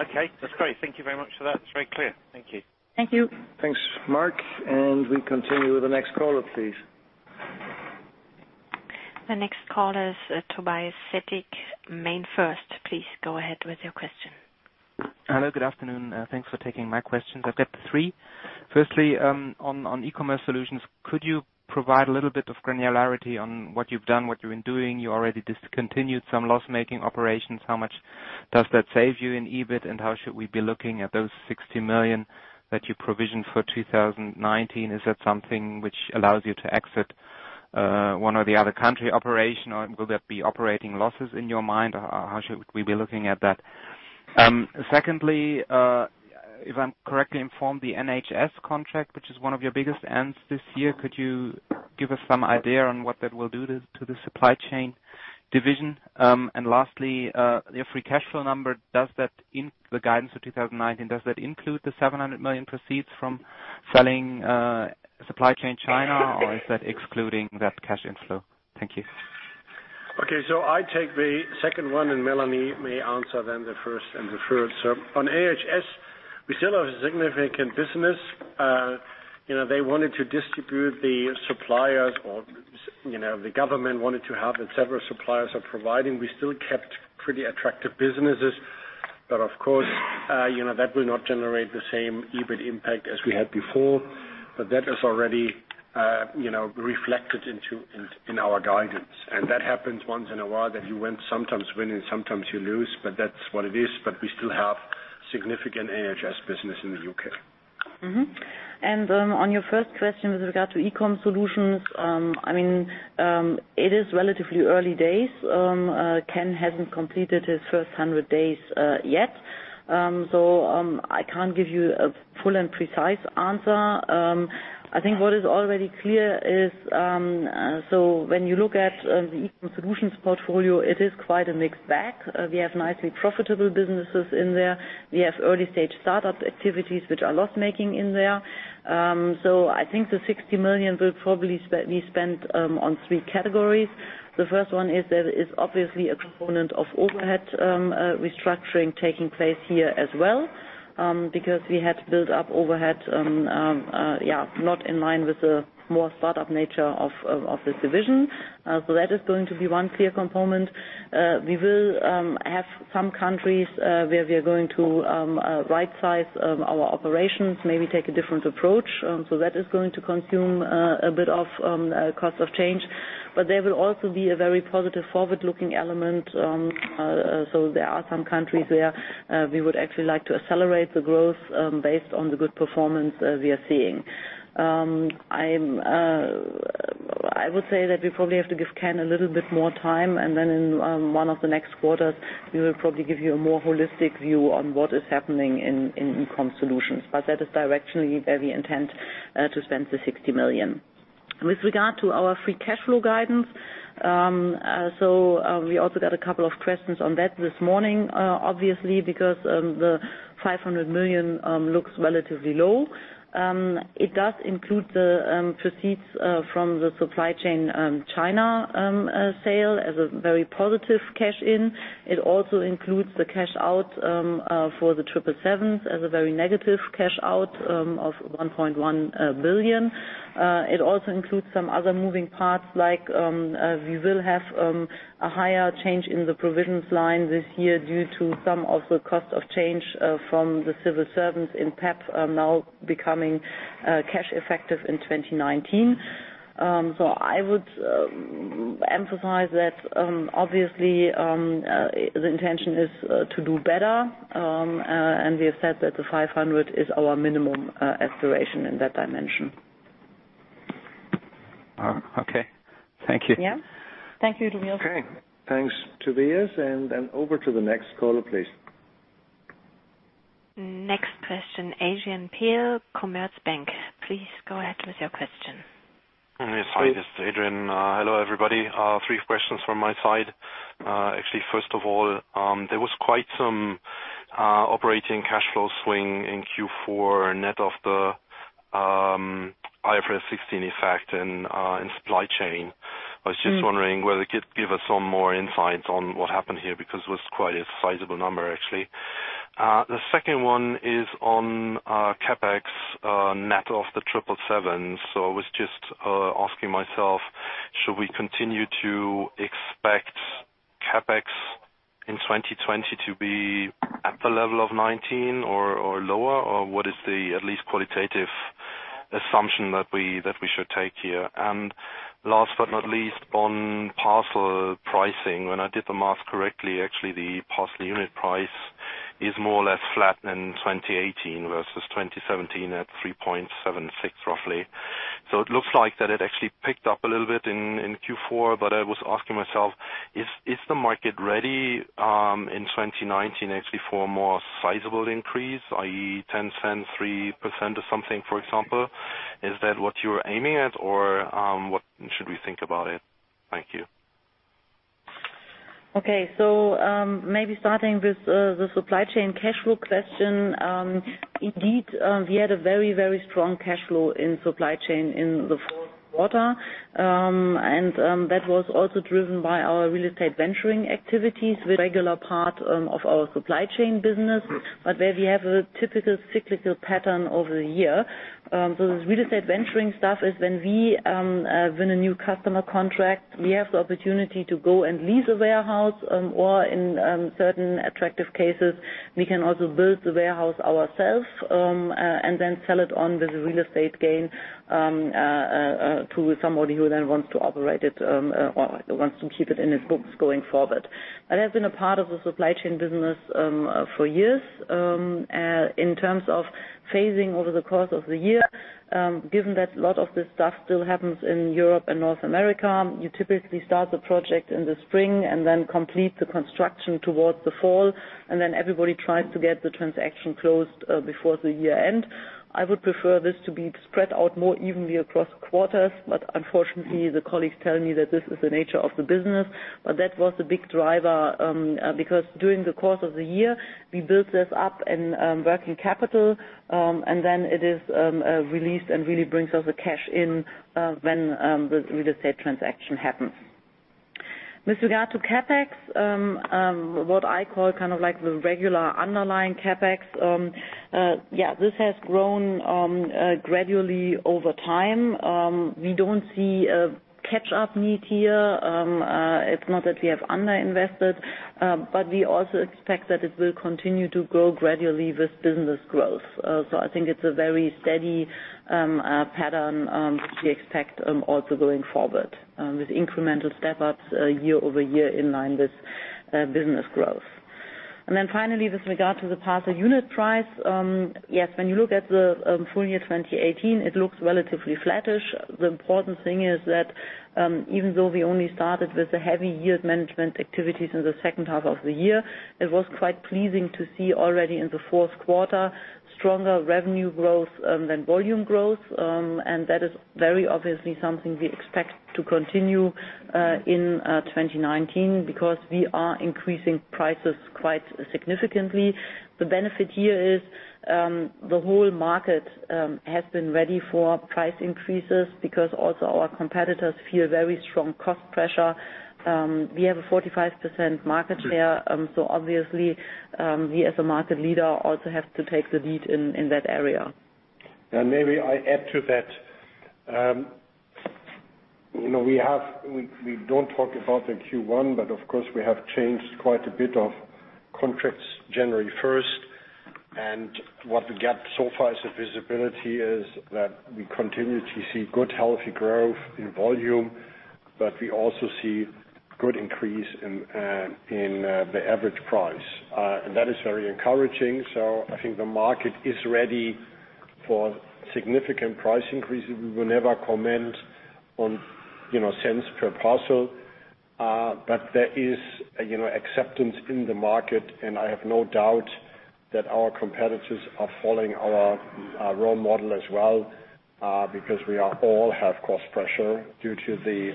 Okay. That's great. Thank you very much for that. It's very clear. Thank you. Thank you. Thanks, Mark. We continue with the next caller, please. The next caller is Tobias Sittig, MainFirst. Please go ahead with your question. Hello, good afternoon. Thanks for taking my questions. I've got three. Firstly, on eCommerce Solutions, could you provide a little bit of granularity on what you've done, what you've been doing? You already discontinued some loss-making operations. How much does that save you in EBIT, and how should we be looking at those 60 million that you provisioned for 2019? Is that something which allows you to exit one or the other country operation, or will there be operating losses in your mind? How should we be looking at that? Secondly, if I'm correctly informed, the NHS contract, which is one of your biggest ends this year, could you give us some idea on what that will do to the Supply Chain division? Lastly, your free cash flow number, the guidance for 2019, does that include the 700 million proceeds from selling Supply Chain China, or is that excluding that cash inflow? Thank you. I take the second one, and Melanie may answer then the first and the third. On NHS, we still have a significant business. They wanted to distribute the suppliers, or the government wanted to have what several suppliers are providing. We still kept pretty attractive businesses. Of course, that will not generate the same EBIT impact as we had before. That is already reflected in our guidance. That happens once in a while, that you sometimes win and sometimes you lose, but that's what it is. We still have significant NHS business in the U.K. On your first question with regard to eCommerce Solutions, it is relatively early days. Ken hasn't completed his first 100 days yet. I can't give you a full and precise answer. I think what is already clear is, when you look at the eCommerce Solutions portfolio, it is quite a mixed bag. We have nicely profitable businesses in there. We have early-stage startup activities which are loss-making in there. I think the 60 million will probably be spent on 3 categories. The first one is that it is obviously a component of overhead restructuring taking place here as well, because we had built up overhead not in line with the more startup nature of this division. That is going to be one clear component. We will have some countries where we are going to rightsize our operations, maybe take a different approach. That is going to consume a bit of cost of change. There will also be a very positive forward-looking element. There are some countries where we would actually like to accelerate the growth based on the good performance we are seeing. I would say that we probably have to give Ken a little bit more time, and then in one of the next quarters, we will probably give you a more holistic view on what is happening in eCom Solutions. That is directionally where we intend to spend the 60 million. With regard to our free cash flow guidance. We also got a couple of questions on that this morning, obviously, because the 500 million looks relatively low. It does include the proceeds from the Supply Chain China sale as a very positive cash in. It also includes the cash out for the 777s as a very negative cash out of 1.1 billion. It also includes some other moving parts, like we will have a higher change in the provisions line this year due to some of the cost of change from the civil servants in PeP now becoming cash effective in 2019. I would emphasize that obviously, the intention is to do better. We have said that the 500 is our minimum aspiration in that dimension. All right. Okay. Thank you. Thank you, Tobias. Okay. Thanks, Tobias. Over to the next caller, please. Next question, Adrian Peal, Commerzbank. Please go ahead with your question. Yes. Hi, this is Adrian. Hello, everybody. Three questions from my side. Actually, first of all, there was quite some operating cash flow swing in Q4 net of the IFRS 16 effect in Supply Chain. I was just wondering whether you could give us some more insight on what happened here, because it was quite a sizable number actually. The second one is on CapEx net of the 777s. I was just asking myself, should we continue to expect CapEx in 2020 to be at the level of '19 or lower? What is the at least qualitative assumption that we should take here? Last but not least, on parcel pricing. When I did the math correctly, actually, the parcel unit price is more or less flat in 2018 versus 2017 at 3.76 roughly. It looks like that it actually picked up a little bit in Q4. I was asking myself, is the market ready in 2019 actually for a more sizable increase, i.e., 0.10, 3% or something, for example? Is that what you're aiming at? What should we think about it? Thank you. Maybe starting with the supply chain cash flow question. Indeed, we had a very strong cash flow in supply chain in the fourth quarter. That was also driven by our real estate venturing activities with regular part of our supply chain business, but where we have a typical cyclical pattern over the year. This real estate venturing stuff is when we win a new customer contract, we have the opportunity to go and lease a warehouse or in certain attractive cases, we can also build the warehouse ourself, and then sell it on with the real estate gain to somebody who then wants to operate it or wants to keep it in his books going forward. That has been a part of the supply chain business for years. In terms of phasing over the course of the year, given that a lot of this stuff still happens in Europe and North America, you typically start the project in the spring and then complete the construction towards the fall, and then everybody tries to get the transaction closed before the year end. I would prefer this to be spread out more evenly across quarters, but unfortunately, the colleagues tell me that this is the nature of the business. That was the big driver, because during the course of the year, we built this up in working capital, and then it is released and really brings us the cash in when the real estate transaction happens. With regard to CapEx, what I call the regular underlying CapEx, this has grown gradually over time. We don't see a catch-up need here. It's not that we have under-invested, but we also expect that it will continue to grow gradually with business growth. I think it's a very steady pattern we expect also going forward, with incremental step-ups year-over-year in line with business growth. Finally, with regard to the parcel unit price, yes, when you look at the full year 2018, it looks relatively flattish. The important thing is that even though we only started with the heavy yield management activities in the second half of the year, it was quite pleasing to see already in the fourth quarter, stronger revenue growth than volume growth. That is very obviously something we expect to continue in 2019, because we are increasing prices quite significantly. The benefit here is, the whole market has been ready for price increases because also our competitors feel very strong cost pressure. We have a 45% market share, obviously, we as a market leader also have to take the lead in that area. Maybe I add to that. We do not talk about the Q1, but of course we have changed quite a bit of contracts January 1st. What we get so far as the visibility is that we continue to see good, healthy growth in volume, but we also see good increase in the average price. That is very encouraging. I think the market is ready for significant price increases. We will never comment on cents per parcel. There is acceptance in the market, and I have no doubt that our competitors are following our role model as well, because we all have cost pressure due to the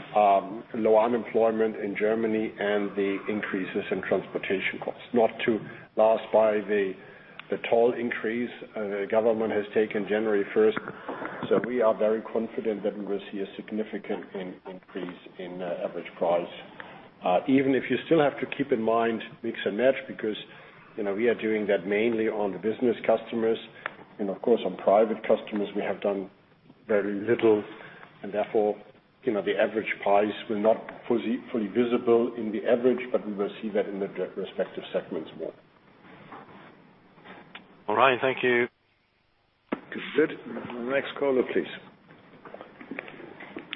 low unemployment in Germany and the increases in transportation costs. Not to last by the toll increase the government has taken January 1st. We are very confident that we will see a significant increase in average price. Even if you still have to keep in mind mix and match, because we are doing that mainly on the business customers. Of course, on private customers, we have done very little. Therefore, the average price will not fully visible in the average, but we will see that in the respective segments more. All right. Thank you. Good. Next caller, please.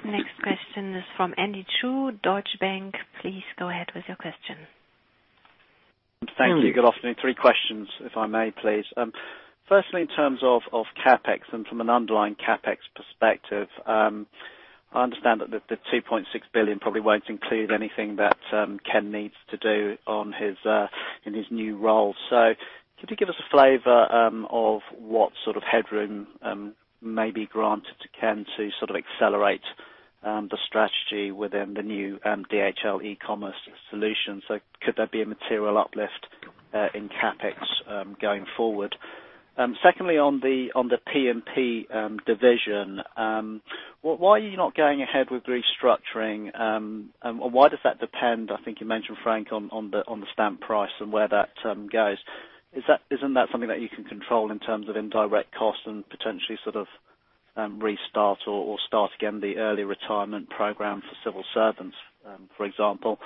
Next question is from Andy Chu, Deutsche Bank. Please go ahead with your question. Thank you. Good afternoon. Three questions, if I may please. Firstly, in terms of CapEx and from an underlying CapEx perspective, I understand that the 2.6 billion probably won't include anything that Ken needs to do in his new role. Could you give us a flavor of what sort of headroom may be granted to Ken to accelerate the strategy within the new DHL eCommerce Solutions? Could there be a material uplift in CapEx, going forward? Secondly, on the P&P division, why are you not going ahead with restructuring, and why does that depend, I think you mentioned, Frank, on the stamp price and where that goes? Isn't that something that you can control in terms of indirect costs and potentially restart or start again the early retirement program for civil servants, for example?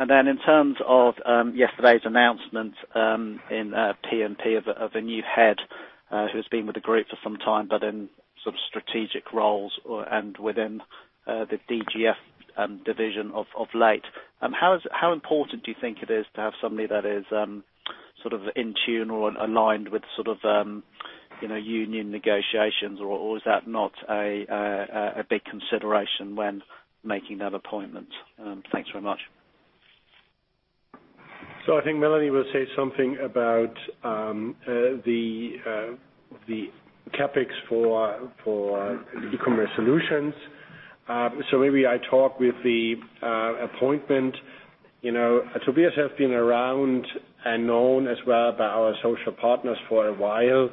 In terms of yesterday's announcement in P&P of a new head, who's been with the group for some time, but in strategic roles and within the DGF division of late. How important do you think it is to have somebody that is in tune or aligned with union negotiations, or is that not a big consideration when making that appointment? Thanks very much. I think Melanie will say something about the CapEx for eCommerce Solutions. Maybe I talk with the appointment. Tobias has been around and known as well by our social partners for a while.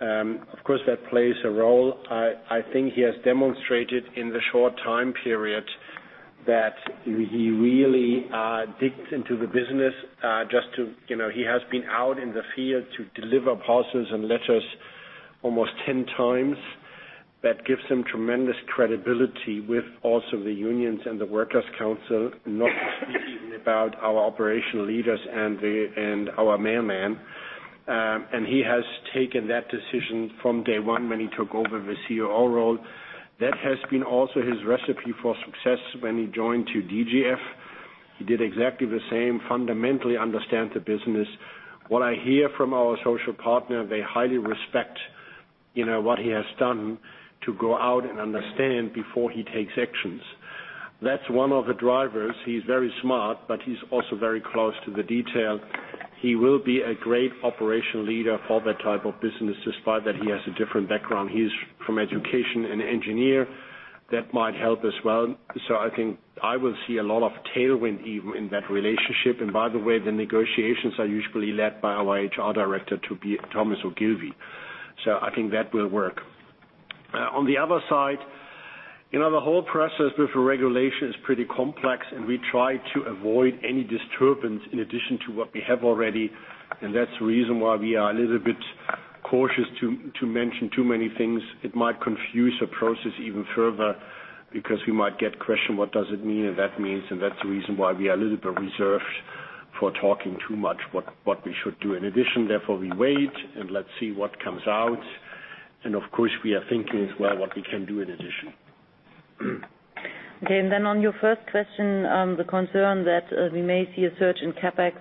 Of course, that plays a role. I think he has demonstrated in the short time period that he really digs into the business. He has been out in the field to deliver parcels and letters almost 10 times. That gives him tremendous credibility with also the unions and the workers' council, not to speak even about our operational leaders and our mailmen. He has taken that decision from day one when he took over the COO role. That has been also his recipe for success when he joined to DGF. He did exactly the same, fundamentally understand the business. What I hear from our social partner, they highly respect what he has done to go out and understand before he takes actions. That's one of the drivers. He is very smart, but he is also very close to the detail. He will be a great operational leader for that type of business, despite that he has a different background. He is from education, an engineer. That might help as well. I think I will see a lot of tailwind even in that relationship. By the way, the negotiations are usually led by our HR director, Thomas Ogilvie. I think that will work. On the other side, the whole process with regulation is pretty complex, and we try to avoid any disturbance in addition to what we have already. That's the reason why we are a little bit cautious to mention too many things. It might confuse the process even further because we might get questioned, what does it mean? That means, that's the reason why we are a little bit reserved for talking too much what we should do in addition. Therefore, we wait, and let's see what comes out. Of course, we are thinking as well what we can do in addition. Okay. On your first question, the concern that we may see a surge in CapEx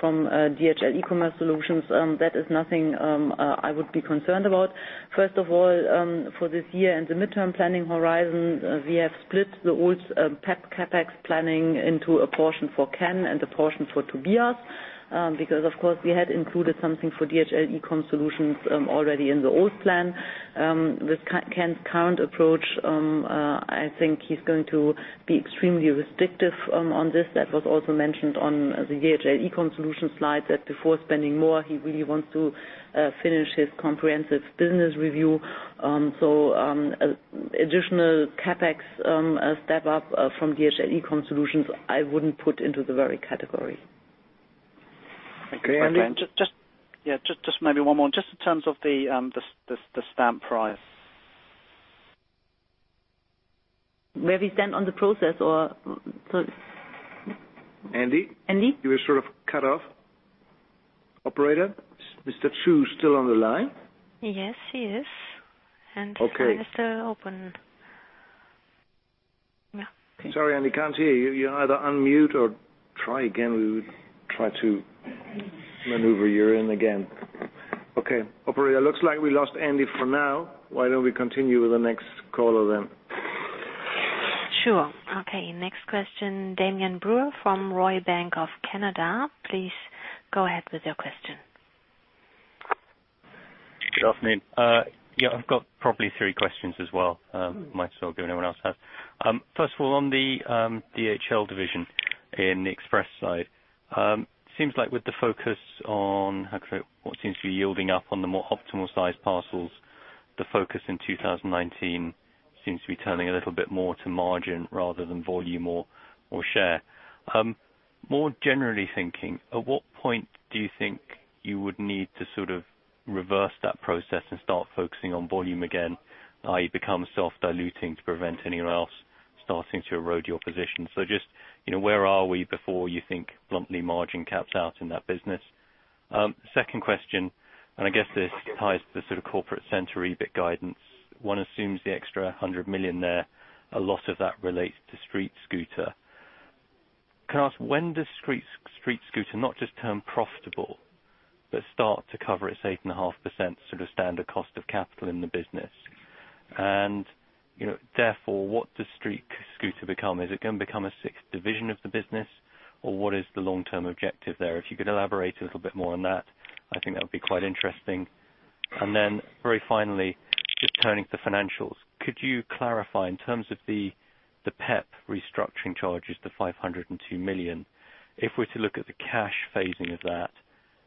from DHL eCommerce Solutions, that is nothing I would be concerned about. First of all, for this year and the midterm planning horizon, we have split the old PeP CapEx planning into a portion for Ken and a portion for Tobias. Of course, we had included something for DHL eCom Solutions already in the old plan. With Ken's current approach, I think he is going to be extremely restrictive on this. That was also mentioned on the DHL eCom Solutions slide, that before spending more, he really wants to finish his comprehensive business review. Additional CapEx step-up from DHL eCom Solutions, I wouldn't put into the worry category. Okay. Andy? Just maybe one more, just in terms of the stamp price. Where we stand on the process or Andy? Andy? You were sort of cut off. Operator, is Mr. Chu still on the line? Yes, he is. Okay. The line is still open. Yeah. Sorry, Andy, can't hear you. You either unmute or try again. We would try to maneuver you in again. Okay. Operator, it looks like we lost Andy for now. Why don't we continue with the next caller? Sure. Okay. Next question, Damian Brewer from Royal Bank of Canada. Please go ahead with your question. Good afternoon. I've got probably three questions as well, might as well give me one last. First of all, on the DHL division in the Express side. Seems like with the focus on what seems to be yielding up on the more optimal size parcels, the focus in 2019 seems to be turning a little bit more to margin rather than volume or share. More generally thinking, at what point do you think you would need to reverse that process and start focusing on volume again, i.e., become self-diluting to prevent anyone else starting to erode your position? Just, where are we before you think bluntly margin caps out in that business? Second question, I guess this ties to the sort of corporate center EBIT guidance. One assumes the extra 100 million there, a lot of that relates to StreetScooter. Can I ask, when does StreetScooter not just turn profitable but start to cover its 8.5% sort of standard cost of capital in the business? Therefore, what does StreetScooter become? Is it going to become a sixth division of the business, or what is the long-term objective there? If you could elaborate a little bit more on that, I think that would be quite interesting. Very finally, just turning to financials. Could you clarify in terms of the PeP restructuring charges, the 502 million. If we're to look at the cash phasing of that,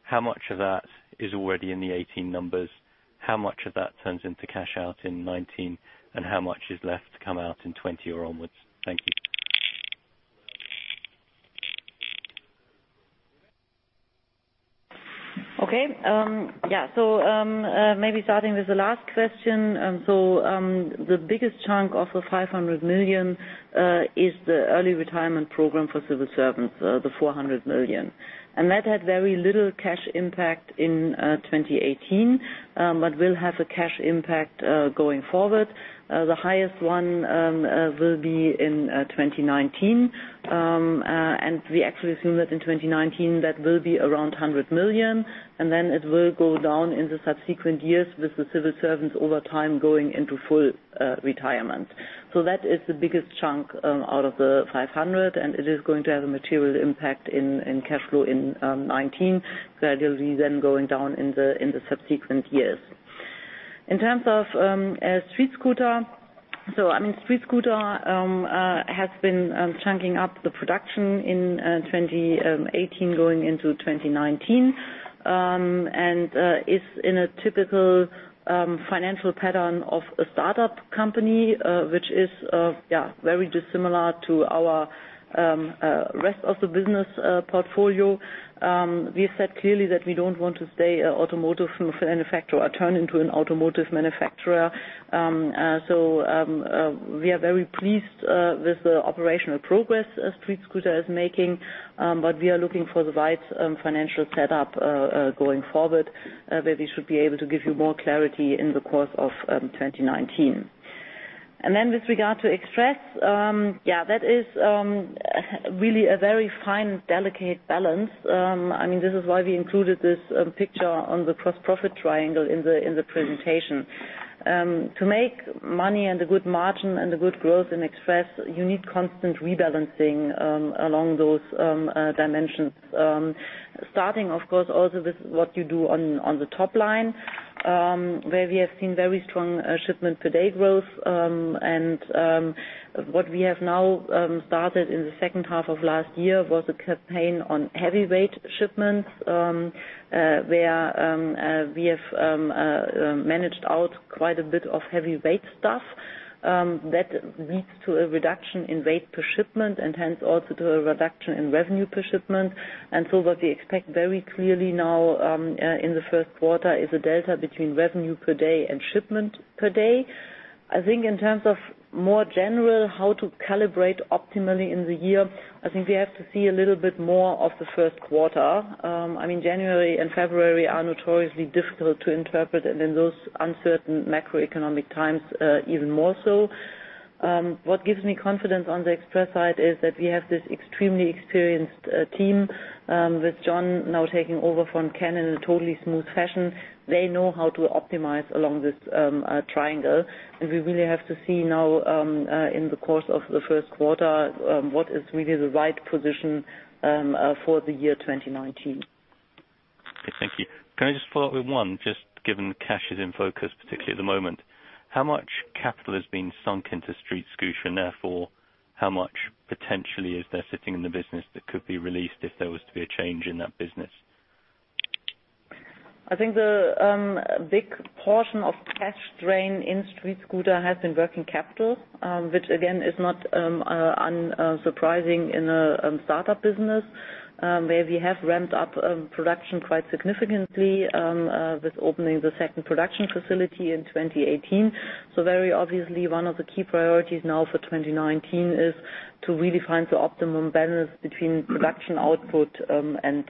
how much of that is already in the 2018 numbers? How much of that turns into cash out in 2019? How much is left to come out in 2020 or onwards? Thank you. Okay. Yeah. Maybe starting with the last question. The biggest chunk of the 500 million, is the early retirement program for civil servants, the 400 million. That had very little cash impact in 2018, but will have a cash impact, going forward. The highest one will be in 2019. We actually assume that in 2019, that will be around 100 million, and it will go down in the subsequent years with the civil servants over time going into full retirement. That is the biggest chunk out of the 500, and it is going to have a material impact in cash flow in 2019, gradually going down in the subsequent years. In terms of StreetScooter. StreetScooter has been chunking up the production in 2018 going into 2019, and is in a typical financial pattern of a startup company, which is very dissimilar to our rest of the business portfolio. We have said clearly that we don't want to stay an automotive manufacturer or turn into an automotive manufacturer. We are very pleased with the operational progress StreetScooter is making. We are looking for the right financial set up going forward, where we should be able to give you more clarity in the course of 2019. With regard to Express. That is really a very fine, delicate balance. This is why we included this picture on the gross-profit triangle in the presentation. To make money and a good margin and a good growth in Express, you need constant rebalancing along those dimensions. Starting, of course, also with what you do on the top line, where we have seen very strong shipment per day growth. What we have now started in the second half of last year was a campaign on heavyweight shipments, where we have managed out quite a bit of heavyweight stuff. That leads to a reduction in rate per shipment, and hence also to a reduction in revenue per shipment. What we expect very clearly now in the first quarter is a delta between revenue per day and shipment per day. I think in terms of more general, how to calibrate optimally in the year, I think we have to see a little bit more of the first quarter. January and February are notoriously difficult to interpret, and in those uncertain macroeconomic times, even more so. What gives me confidence on the Express side is that we have this extremely experienced team with John now taking over from Ken in a totally smooth fashion. They know how to optimize along this triangle. We really have to see now, in the course of the first quarter, what is really the right position for the year 2019. Okay, thank you. Can I just follow up with one, just given cash is in focus, particularly at the moment. How much capital is being sunk into StreetScooter, and therefore, how much potentially is there sitting in the business that could be released if there was to be a change in that business? I think the big portion of cash drain in StreetScooter has been working capital, which again, is not unsurprising in a startup business, where we have ramped up production quite significantly, with opening the second production facility in 2018. Very obviously one of the key priorities now for 2019 is to really find the optimum balance between production output and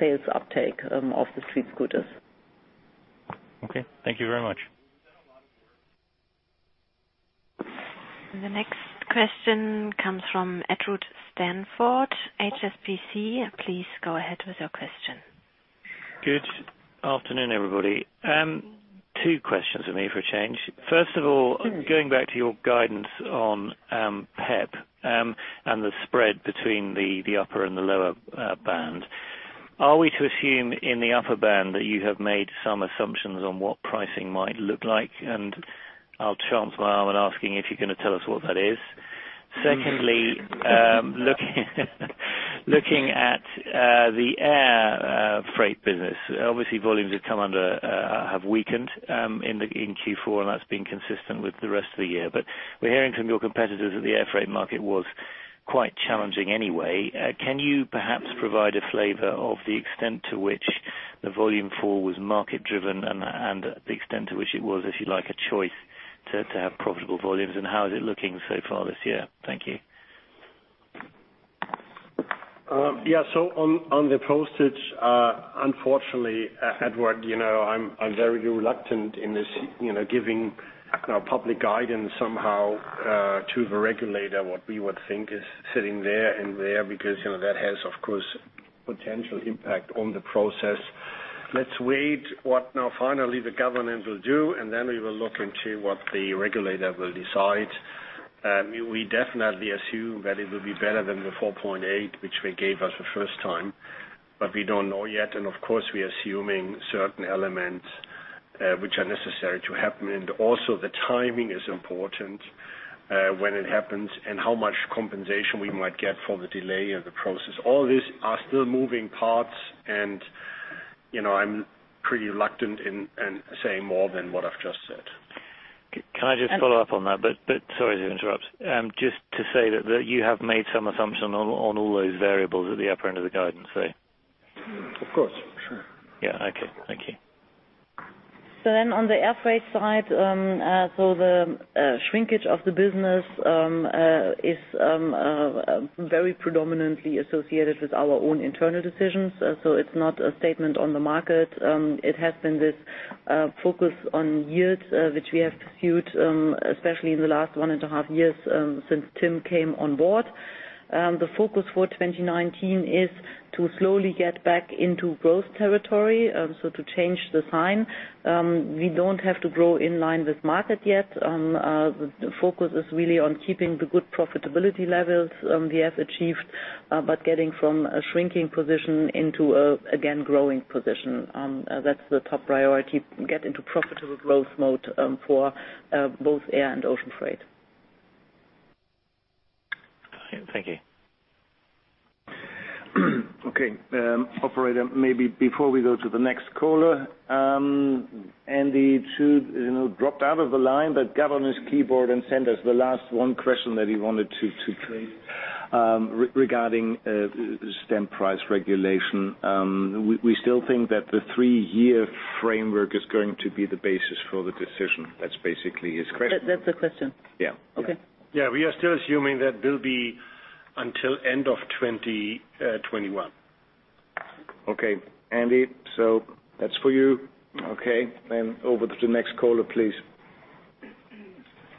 sales uptake of the StreetScooters. Okay, thank you very much. The next question comes from Edward Stanford, HSBC. Please go ahead with your question. Good afternoon, everybody. Two questions from me for a change. First of all, going back to your guidance on PeP, and the spread between the upper and the lower band. Are we to assume in the upper band that you have made some assumptions on what pricing might look like? I'll chance my arm in asking if you're going to tell us what that is. Secondly looking at the air freight business. Obviously, volumes have weakened in Q4, and that's been consistent with the rest of the year. We're hearing from your competitors that the air freight market was quite challenging anyway. Can you perhaps provide a flavor of the extent to which the volume fall was market-driven and the extent to which it was, if you like, a choice to have profitable volumes? How is it looking so far this year? Thank you. Yeah. On the postage, unfortunately, Edward, I'm very reluctant in giving public guidance somehow to the regulator, what we would think is sitting there and there, because that has, of course, potential impact on the process. Let's wait what now finally the government will do, and then we will look into what the regulator will decide. We definitely assume that it will be better than the 4.8, which they gave us the first time. We don't know yet. Of course, we're assuming certain elements which are necessary to happen. Also the timing is important, when it happens and how much compensation we might get for the delay of the process. All these are still moving parts, and I'm pretty reluctant in saying more than what I've just said. Can I just follow up on that? Sorry to interrupt. Just to say that you have made some assumption on all those variables at the upper end of the guidance, though? Of course, sure. Yeah. Okay. Thank you. On the air freight side, the shrinkage of the business is very predominantly associated with our own internal decisions. It's not a statement on the market. It has been this focus on yields, which we have pursued, especially in the last one and a half years since Tim came on board. The focus for 2019 is to slowly get back into growth territory, so to change the sign. We don't have to grow in line with market yet. The focus is really on keeping the good profitability levels we have achieved, but getting from a shrinking position into a, again, growing position. That's the top priority, get into profitable growth mode for both air and ocean freight. Thank you. Okay. Operator, maybe before we go to the next caller, Andy dropped out of the line, but grab on his keyboard and send us the last one question that he wanted to raise regarding stamp price regulation. We still think that the three-year framework is going to be the basis for the decision. That's basically his question. That's the question. Yeah. Okay. Yeah. We are still assuming that will be until end of 2021. Okay. Andy, that's for you. Okay, over to the next caller, please.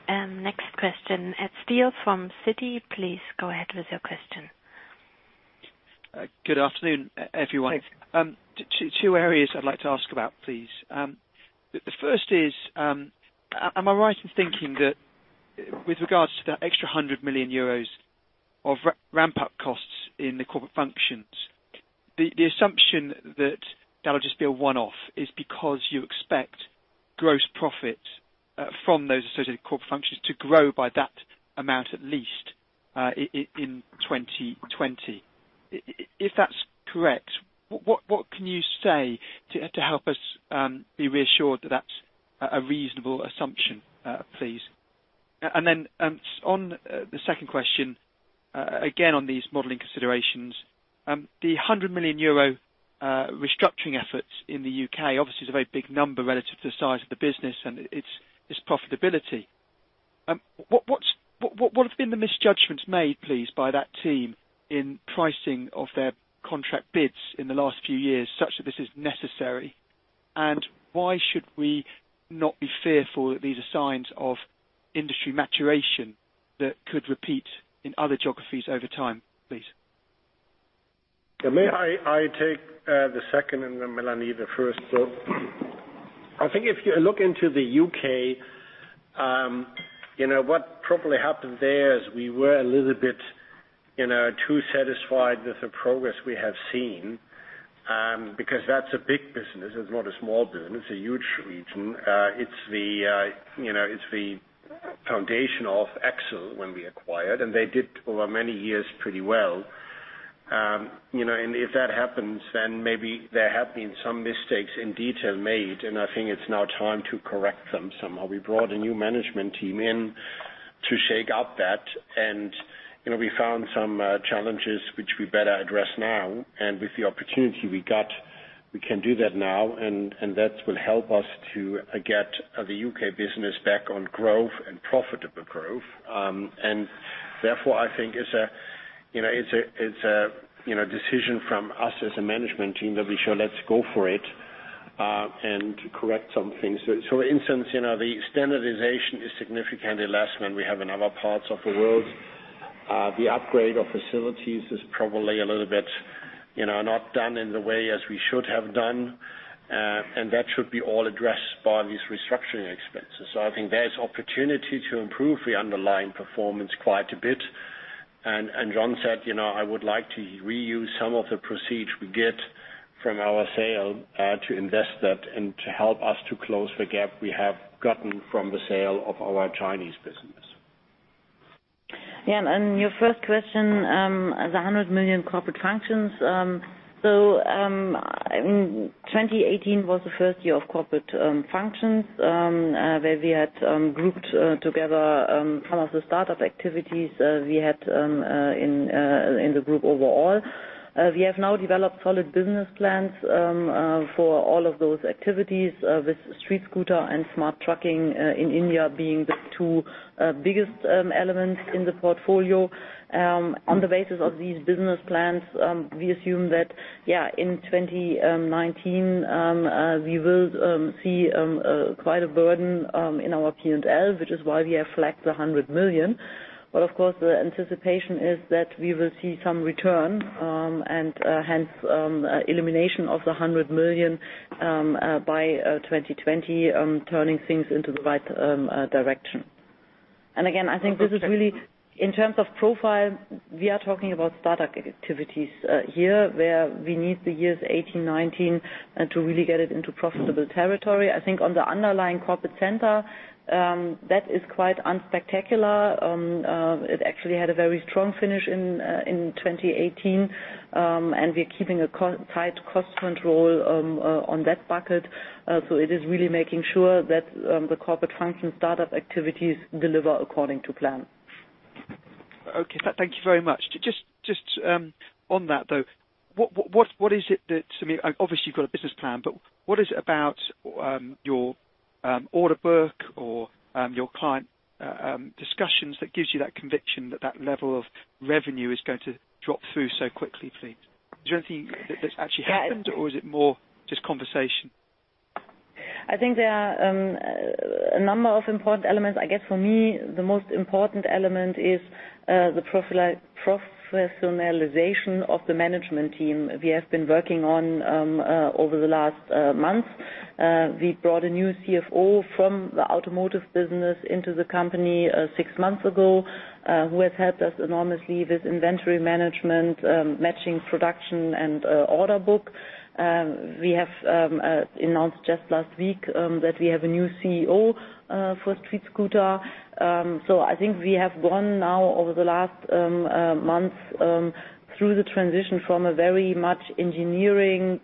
Next question, Ed Steel from Citi. Please go ahead with your question. Good afternoon, everyone. Hi. Two areas I'd like to ask about, please. The first is, am I right in thinking that with regards to that extra 100 million euros of ramp-up costs in the Dorporate Functions, the assumption that that'll just be a one-off is because you expect gross profit from those associated Corporate Functions to grow by that amount at least? In 2020. If that's correct, what can you say to help us be reassured that that's a reasonable assumption, please? Then on the second question, again, on these modeling considerations. The 100 million euro restructuring efforts in the U.K. obviously is a very big number relative to the size of the business and its profitability. What have been the misjudgments made, please, by that team in pricing of their contract bids in the last few years such that this is necessary? Why should we not be fearful that these are signs of industry maturation that could repeat in other geographies over time, please? May I take the second, and then Melanie the first. I think if you look into the U.K., what probably happened there is we were a little bit too satisfied with the progress we have seen. That's a big business. It's not a small business. It's a huge region. It's the foundation of Exel when we acquired, they did over many years, pretty well. If that happens, then maybe there have been some mistakes in detail made, I think it's now time to correct them somehow. We brought a new management team in to shake up that, and we found some challenges which we better address now. With the opportunity we got, we can do that now, that will help us to get the U.K. business back on growth and profitable growth. Therefore, I think it's a decision from us as a management team that we say, "Let's go for it," and correct some things. For instance, the standardization is significantly less than we have in other parts of the world. The upgrade of facilities is probably a little bit not done in the way as we should have done. That should be all addressed by these restructuring expenses. I think there is opportunity to improve the underlying performance quite a bit. John said, I would like to reuse some of the proceeds we get from our sale to invest that and to help us to close the gap we have gotten from the sale of our Chinese business. Your first question, the 100 million Corporate Functions. 2018 was the first year of Corporate Functions, where we had grouped together some of the startup activities we had in the group overall. We have now developed solid business plans for all of those activities, with Streetscooter and Smart Trucking in India being the two biggest elements in the portfolio. On the basis of these business plans, we assume that in 2019, we will see quite a burden in our P&L, which is why we have flagged the 100 million. Of course, the anticipation is that we will see some return, and hence elimination of the 100 million by 2020, turning things into the right direction. Again, I think this is really in terms of profile, we are talking about startup activities here, where we need the years 2018, 2019 to really get it into profitable territory. I think on the underlying corporate center, that is quite unspectacular. It actually had a very strong finish in 2018. We're keeping a tight cost control on that bucket. It is really making sure that the Corporate Function startup activities deliver according to plan. Okay. Thank you very much. Just on that, though. Obviously, you've got a business plan. What is it about your order book or your client discussions that gives you that conviction that that level of revenue is going to drop through so quickly, please? Is there anything that's actually happened, or is it more just conversation? I think there are a number of important elements. I guess for me, the most important element is the professionalization of the management team we have been working on over the last month. We brought a new CFO from the automotive business into the company 6 months ago, who has helped us enormously with inventory management, matching production and order book. We have announced just last week that we have a new CEO for Streetscooter. I think we have gone now over the last month, through the transition from a very much engineering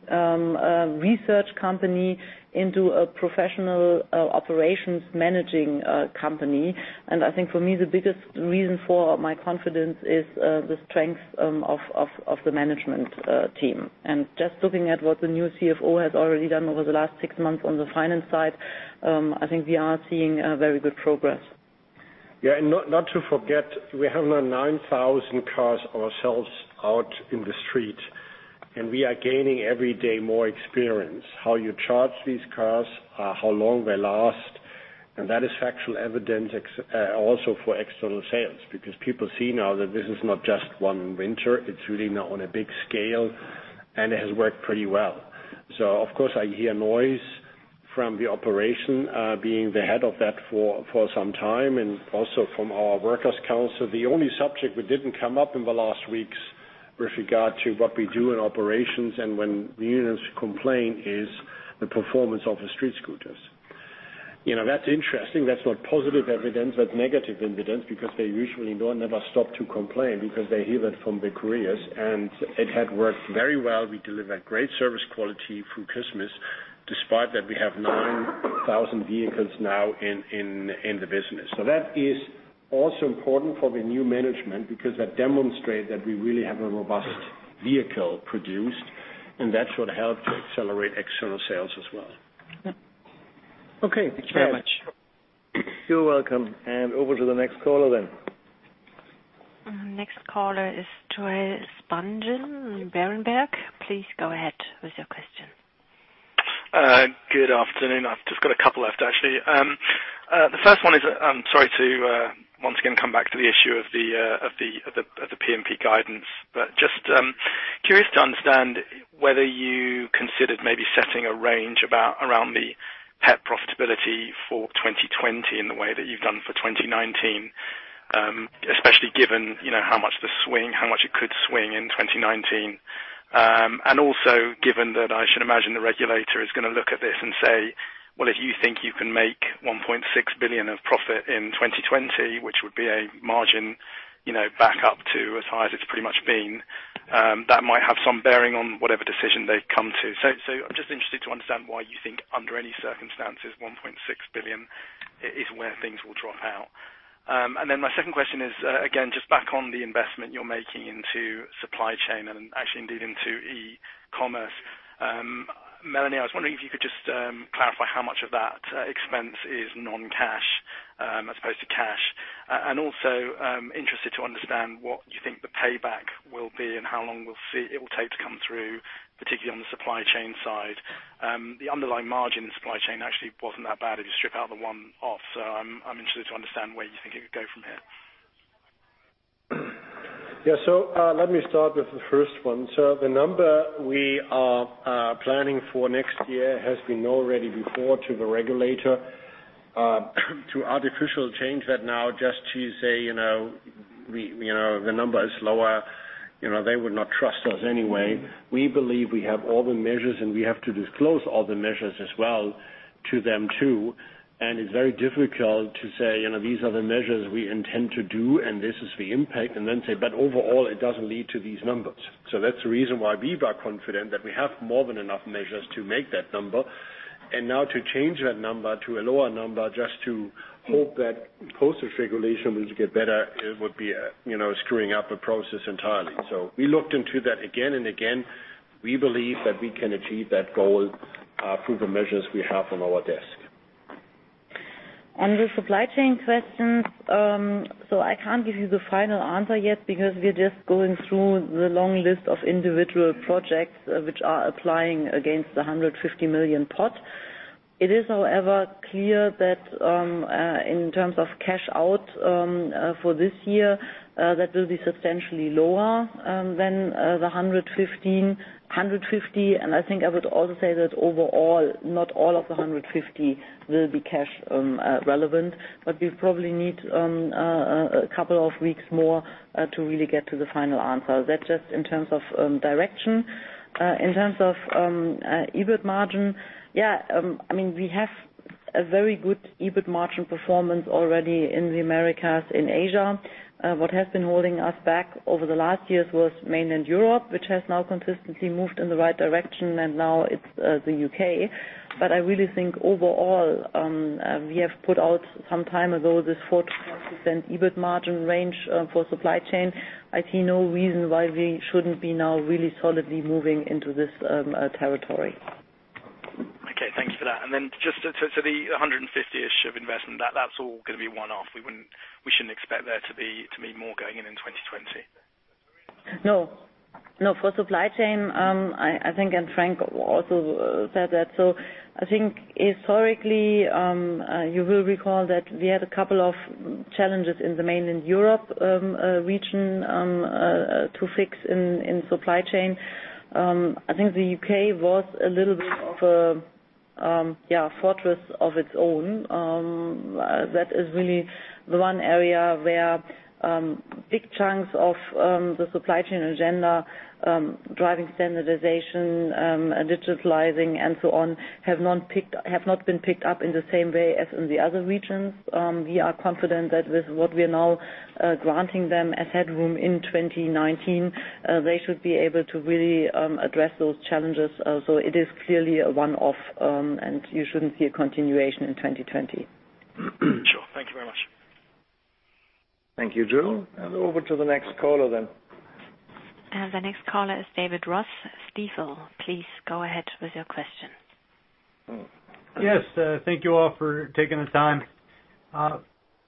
research company into a professional operations managing company. I think for me, the biggest reason for my confidence is the strength of the management team. Just looking at what the new CFO has already done over the last 6 months on the finance side, I think we are seeing very good progress. Yeah. Not to forget, we have now 9,000 cars ourselves out in the street. We are gaining every day more experience. How you charge these cars, how long they last. That is factual evidence also for external sales because people see now that this is not just one winter, it's really now on a big scale, and it has worked pretty well. Of course, I hear noise from the operation, being the head of that for some time and also from our workers' council. The only subject that didn't come up in the last weeks with regard to what we do in operations and when the unions complain is the performance of the Streetscooters. That's interesting. That's not positive evidence, that's negative evidence, because they usually never stop to complain because they hear that from the couriers. It had worked very well. We delivered great service quality through Christmas, despite that we have 9,000 vehicles now in the business. That is also important for the new management, because that demonstrate that we really have a robust vehicle produced, and that should help to accelerate external sales as well. Yeah. Okay. Thank you very much. You're welcome. Over to the next caller then. Next caller is Joel Spungin, Berenberg. Please go ahead with your question. Good afternoon. I've just got a couple left, actually. The first one is, I'm sorry to once again come back to the issue of the P&P guidance, but just curious to understand whether you considered maybe setting a range around the PeP profitability for 2020 in the way that you've done for 2019, especially given how much it could swing in 2019. Also, given that I should imagine the regulator is going to look at this and say, "Well, if you think you can make 1.6 billion of profit in 2020," which would be a margin back up to as high as it's pretty much been, that might have some bearing on whatever decision they've come to. I'm just interested to understand why you think under any circumstances, 1.6 billion is where things will drop out. My second question is, again, just back on the investment you're making into Supply Chain and actually indeed into e-commerce. Melanie, I was wondering if you could just clarify how much of that expense is non-cash as opposed to cash. Also, interested to understand what you think the payback will be and how long it will take to come through, particularly on the Supply Chain side. The underlying margin in Supply Chain actually wasn't that bad if you strip out the one-off. I'm interested to understand where you think it could go from here. Yeah. Let me start with the first one. The number we are planning for next year has been already reported to the regulator. To artificially change that now just to say the number is lower, they would not trust us anyway. We believe we have all the measures, and we have to disclose all the measures as well to them, too. It's very difficult to say, "These are the measures we intend to do and this is the impact," and then say, "But overall, it doesn't lead to these numbers." That's the reason why we are confident that we have more than enough measures to make that number. Now to change that number to a lower number, just to hope that postage regulation will get better, it would be screwing up a process entirely. We looked into that again and again. We believe that we can achieve that goal through the measures we have on our desk. I can't give you the final answer yet because we are just going through the long list of individual projects which are applying against the 150 million pot. It is, however, clear that in terms of cash out for this year, that will be substantially lower than the 150. I think I would also say that overall, not all of the 150 will be cash relevant. We probably need a couple of weeks more to really get to the final answer. That's just in terms of direction. In terms of EBIT margin, yeah, we have a very good EBIT margin performance already in the Americas, in Asia. What has been holding us back over the last years was mainland Europe, which has now consistently moved in the right direction, and now it's the U.K. I really think overall, we have put out some time ago this 4%-6% EBIT margin range for Supply Chain. I see no reason why we shouldn't be now really solidly moving into this territory. Okay, thank you for that. Just to the 150-ish of investment, that's all going to be one-off. We shouldn't expect there to be more going in in 2020? No. For Supply Chain, I think, Frank also said that, I think historically, you will recall that we had a couple of challenges in the mainland Europe region to fix in Supply Chain. I think the U.K. was a little bit of a fortress of its own. That is really the one area where big chunks of the Supply Chain agenda, driving standardization, digitalizing, and so on, have not been picked up in the same way as in the other regions. We are confident that with what we are now granting them as headroom in 2019, they should be able to really address those challenges. It is clearly a one-off, you shouldn't see a continuation in 2020. Sure. Thank you very much. Thank you, Joel. Over to the next caller then. The next caller is David Ross, Stifel. Please go ahead with your question. Yes. Thank you all for taking the time.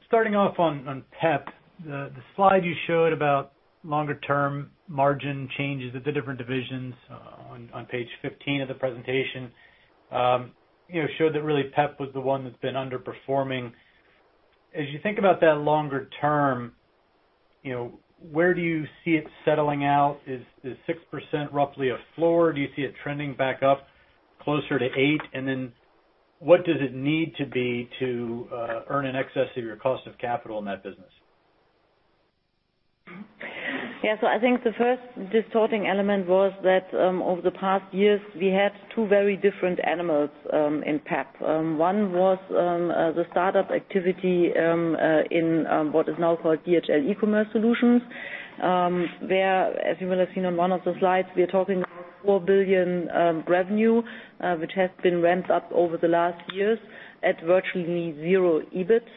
Starting off on PeP, the slide you showed about longer term margin changes at the different divisions on page 15 of the presentation showed that really PeP was the one that's been underperforming. As you think about that longer term, where do you see it settling out? Is 6% roughly a floor? Do you see it trending back up closer to 8%? What does it need to be to earn in excess of your cost of capital in that business? Yeah. I think the first distorting element was that, over the past years, we had two very different animals in PeP. One was the startup activity in what is now called DHL eCommerce Solutions. As you will have seen on one of the slides, we are talking about 4 billion revenue, which has been ramped up over the last years at virtually zero EBIT.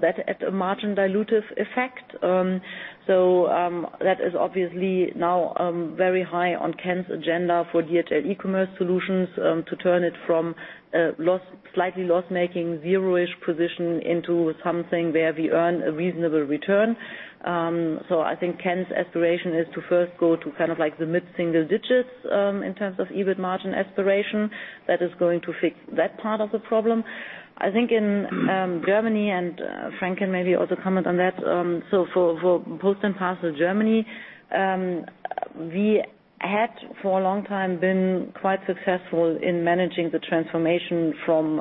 That had a margin dilutive effect. That is obviously now very high on Ken's agenda for DHL eCommerce Solutions, to turn it from a slightly loss-making, zero-ish position into something where we earn a reasonable return. I think Ken's aspiration is to first go to the mid-single digits in terms of EBIT margin aspiration. That is going to fix that part of the problem. I think in Germany, Frank can maybe also comment on that. For Post & Parcel Germany, we had, for a long time, been quite successful in managing the transformation from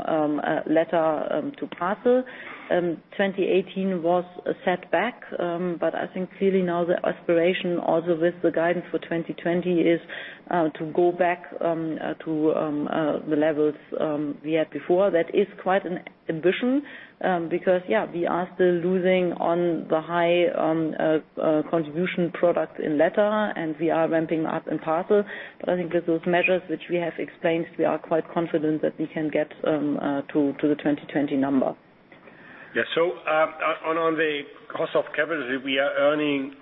letter to parcel. 2018 was a setback. I think clearly now the aspiration, also with the guidance for 2020, is to go back to the levels we had before. That is quite an ambition because, yeah, we are still losing on the high contribution product in letter, and we are ramping up in parcel. I think with those measures which we have explained, we are quite confident that we can get to the 2020 number. Yeah. On the cost of capital, we are earning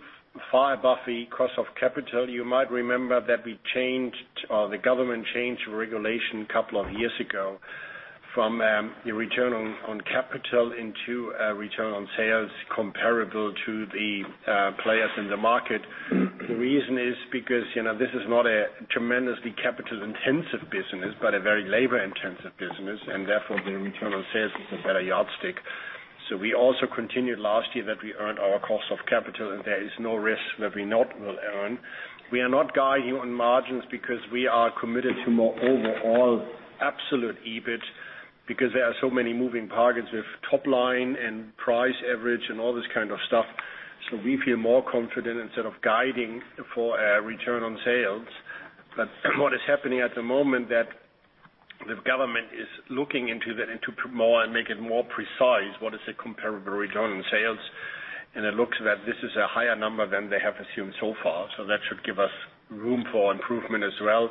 far above the cost of capital. You might remember that the government changed regulation a couple of years ago from a return on capital into a return on sales comparable to the players in the market. The reason is because this is not a tremendously capital-intensive business, but a very labor-intensive business, and therefore, the return on sales is a better yardstick. We also continued last year that we earned our cost of capital, and there is no risk that we not will earn. We are not guiding on margins because we are committed to more overall absolute EBIT, because there are so many moving targets with top line and price average and all this kind of stuff. We feel more confident instead of guiding for a return on sales. What is happening at the moment, that the government is looking into that and to make it more precise, what is a comparable return on sales. It looks that this is a higher number than they have assumed so far, that should give us room for improvement as well.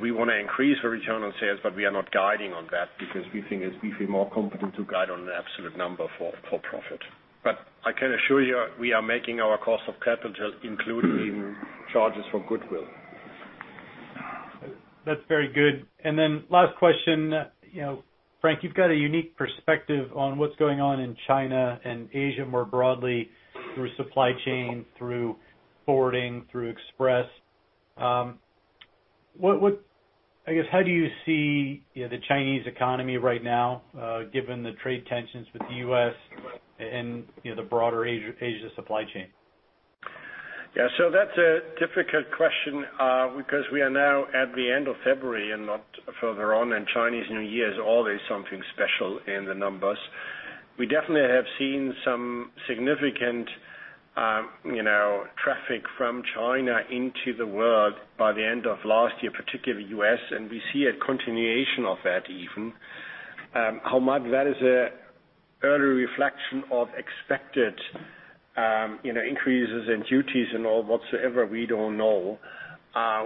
We want to increase our return on sales, but we are not guiding on that because we feel more competent to guide on the absolute number for profit. I can assure you, we are making our cost of capital, including charges for goodwill. That's very good. Then last question. Frank, you've got a unique perspective on what's going on in China and Asia more broadly through Supply Chain, through Global Forwarding, through Express. I guess, how do you see the Chinese economy right now, given the trade tensions with the U.S. and the broader Asia Supply Chain? That's a difficult question, because we are now at the end of February and not further on, and Chinese New Year is always something special in the numbers. We definitely have seen some significant traffic from China into the world by the end of last year, particularly U.S., and we see a continuation of that even. How much that is an early reflection of expected increases in duties and all whatsoever, we don't know.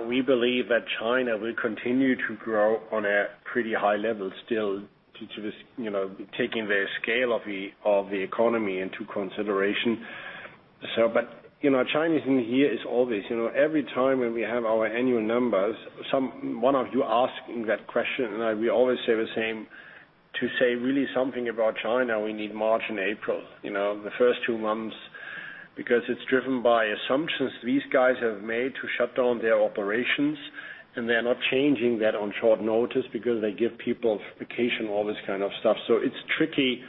We believe that China will continue to grow on a pretty high level still, taking their scale of the economy into consideration. Chinese New Year is always, every time when we have our annual numbers, one of you asking that question, and we always say the same, to say really something about China, we need March and April, the first two months. It's driven by assumptions these guys have made to shut down their operations, and they're not changing that on short notice because they give people vacation, all this kind of stuff. It's tricky.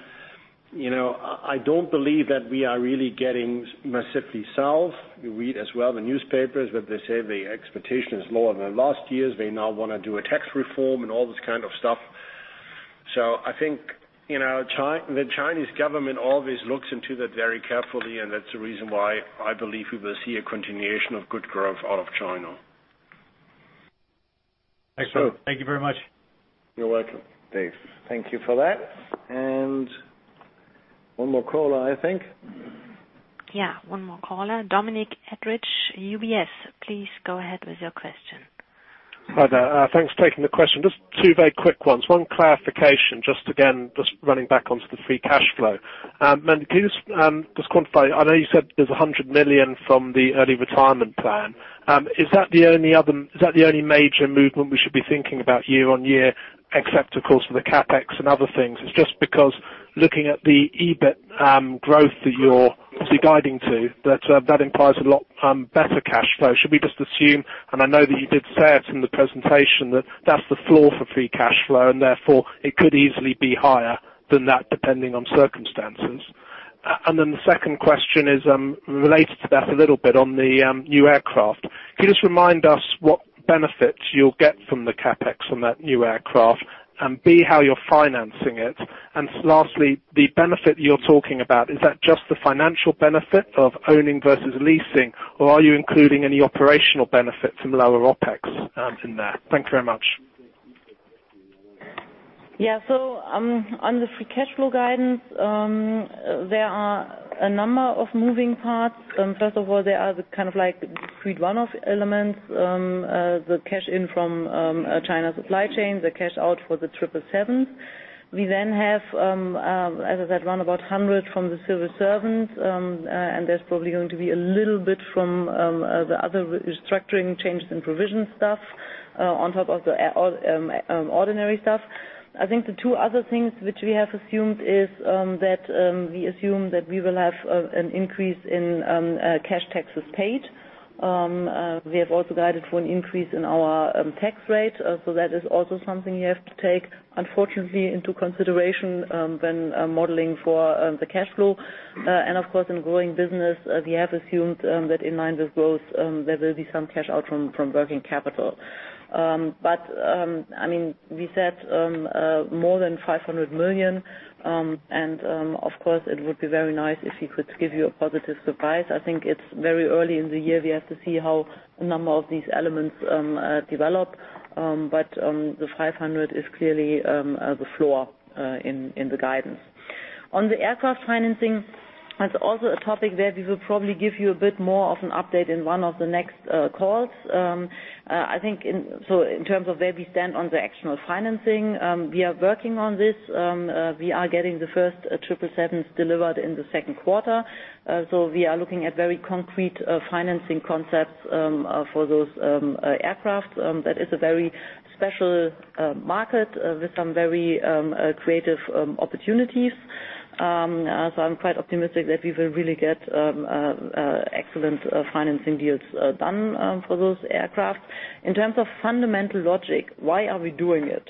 I don't believe that we are really getting massively south. You read as well, the newspapers, that they say the expectation is lower than last year's. They now want to do a tax reform and all this kind of stuff. I think the Chinese government always looks into that very carefully, and that's the reason why I believe we will see a continuation of good growth out of China. Excellent. Thank you very much. You're welcome. Dave. Thank you for that. One more caller, I think. Yeah, one more caller. Dominic Edridge, UBS. Please go ahead with your question. Hi there. Thanks for taking the question. Just two very quick ones. One clarification, again, running back on the free cash flow. Can you just quantify, I know you said there's 100 million from the early retirement plan. Is that the only major movement we should be thinking about year-on-year, except of course, for the CapEx and other things? Looking at the EBIT growth that you're obviously guiding to, that implies a lot better cash flow. Should we just assume, and I know that you did say it in the presentation, that that's the floor for free cash flow, and therefore, it could easily be higher than that depending on circumstances? The second question is related to that a little bit on the new aircraft. Can you just remind us what benefits you'll get from the CapEx from that new aircraft, and B, how you're financing it? Lastly, the benefit you're talking about, is that just the financial benefit of owning versus leasing, or are you including any operational benefit from lower OpEx in there? Thank you very much. On the free cash flow guidance, there are a number of moving parts. First of all, there are the kind of like freed one-off elements, the cash in from Supply Chain China, the cash out for the 777. As I said, round about 100 million from the civil servants. There's probably going to be a little bit from the other restructuring changes and provision stuff on top of the ordinary stuff. The two other things which we have assumed is that, we assume that we will have an increase in cash taxes paid. We have also guided for an increase in our tax rate. That is also something you have to take, unfortunately, into consideration when modeling for the cash flow. Of course, in growing business, we have assumed that in line with growth, there will be some cash out from working capital. We said more than 500 million and, of course, it would be very nice if we could give you a positive surprise. It's very early in the year. We have to see how a number of these elements develop. The 500 is clearly the floor in the guidance. On the aircraft financing, that's also a topic where we will probably give you a bit more of an update in one of the next calls. In terms of where we stand on the actual financing, we are working on this. We are getting the first 777s delivered in the second quarter. We are looking at very concrete financing concepts for those aircraft. That is a very special market with some very creative opportunities. I'm quite optimistic that we will really get excellent financing deals done for those aircraft. In terms of fundamental logic, why are we doing it?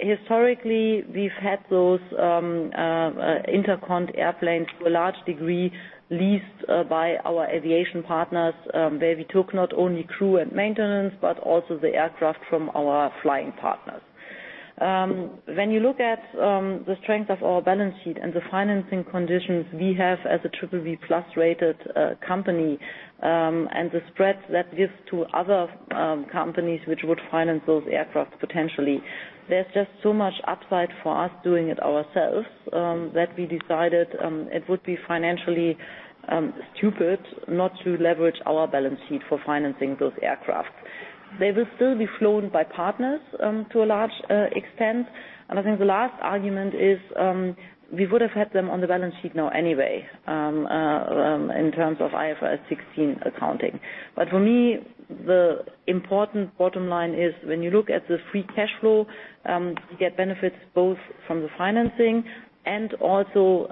Historically, we've had those intercont airplanes to a large degree leased by our aviation partners, where we took not only crew and maintenance, but also the aircraft from our flying partners. When you look at the strength of our balance sheet and the financing conditions we have as a BBB+ rated company, and the spread that gives to other companies which would finance those aircraft potentially, there's just so much upside for us doing it ourselves, that we decided it would be financially stupid not to leverage our balance sheet for financing those aircraft. They will still be flown by partners to a large extent. I think the last argument is, we would have had them on the balance sheet now anyway, in terms of IFRS 16 accounting. For me, the important bottom line is when you look at the free cash flow, you get benefits both from the financing and also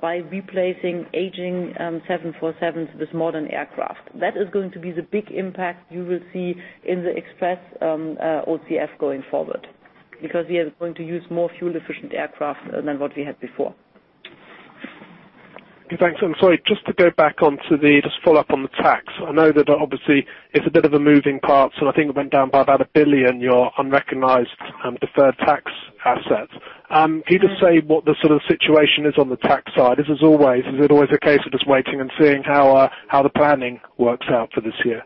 by replacing aging 747s with modern aircraft. That is going to be the big impact you will see in the Express OCF going forward. We are going to use more fuel efficient aircraft than what we had before. Okay, thanks. I'm sorry, just to go back, just follow up on the tax. I know that obviously it's a bit of a moving part. I think it went down by about 1 billion, your unrecognized deferred tax assets. Can you just say what the situation is on the tax side? Is it always the case of just waiting and seeing how the planning works out for this year?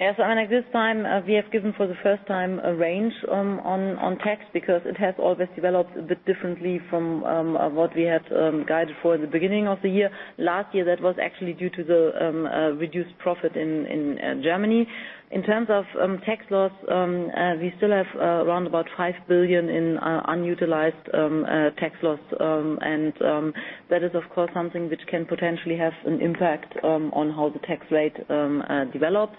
Yes, Arne, this time, we have given for the first time a range on tax because it has always developed a bit differently from what we had guided for the beginning of the year. Last year, that was actually due to the reduced profit in Germany. In terms of tax loss, we still have around about 5 billion in unutilized tax loss. That is, of course, something which can potentially have an impact on how the tax rate develops.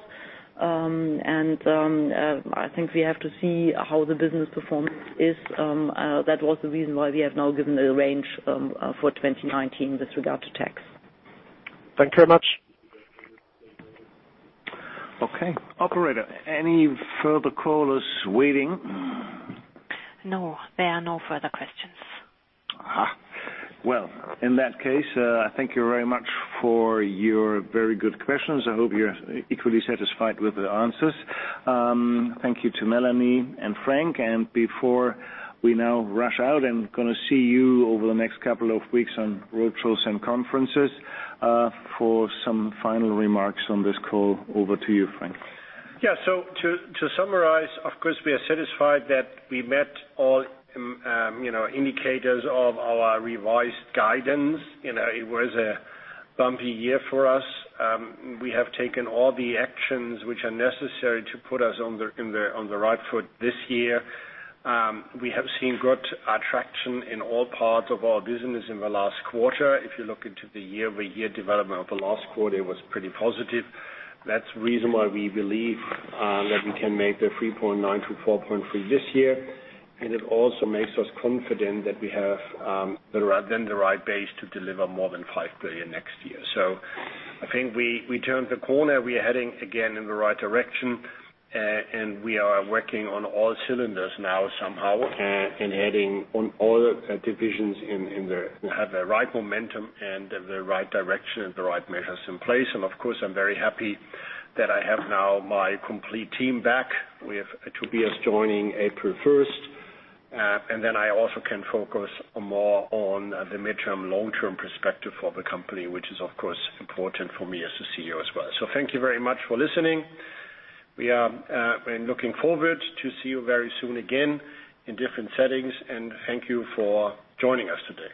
I think we have to see how the business performance is. That was the reason why we have now given a range for 2019 with regard to tax. Thank you very much. Okay. Operator, any further callers waiting? No. There are no further questions. Well, in that case, thank you very much for your very good questions. I hope you're equally satisfied with the answers. Thank you to Melanie and Frank. Before we now rush out and going to see you over the next couple of weeks on roadshows and conferences. For some final remarks on this call, over to you, Frank. Yeah. To summarize, of course, we are satisfied that we met all indicators of our revised guidance. It was a bumpy year for us. We have taken all the actions which are necessary to put us on the right foot this year. We have seen good traction in all parts of our business in the last quarter. If you look into the year-over-year development of the last quarter, it was pretty positive. That's the reason why we believe that we can make the 3.9 billion to 4.3 billion this year. It also makes us confident that we have then the right base to deliver more than 5 billion next year. I think we turned the corner. We are heading again in the right direction. We are working on all cylinders now somehow and heading on all divisions. We have the right momentum and the right direction and the right measures in place. Of course, I'm very happy that I have now my complete team back, with Tobias joining April 1st. Then I also can focus more on the midterm, long-term perspective for the company, which is, of course, important for me as the CEO as well. Thank you very much for listening. We are looking forward to see you very soon again in different settings. Thank you for joining us today.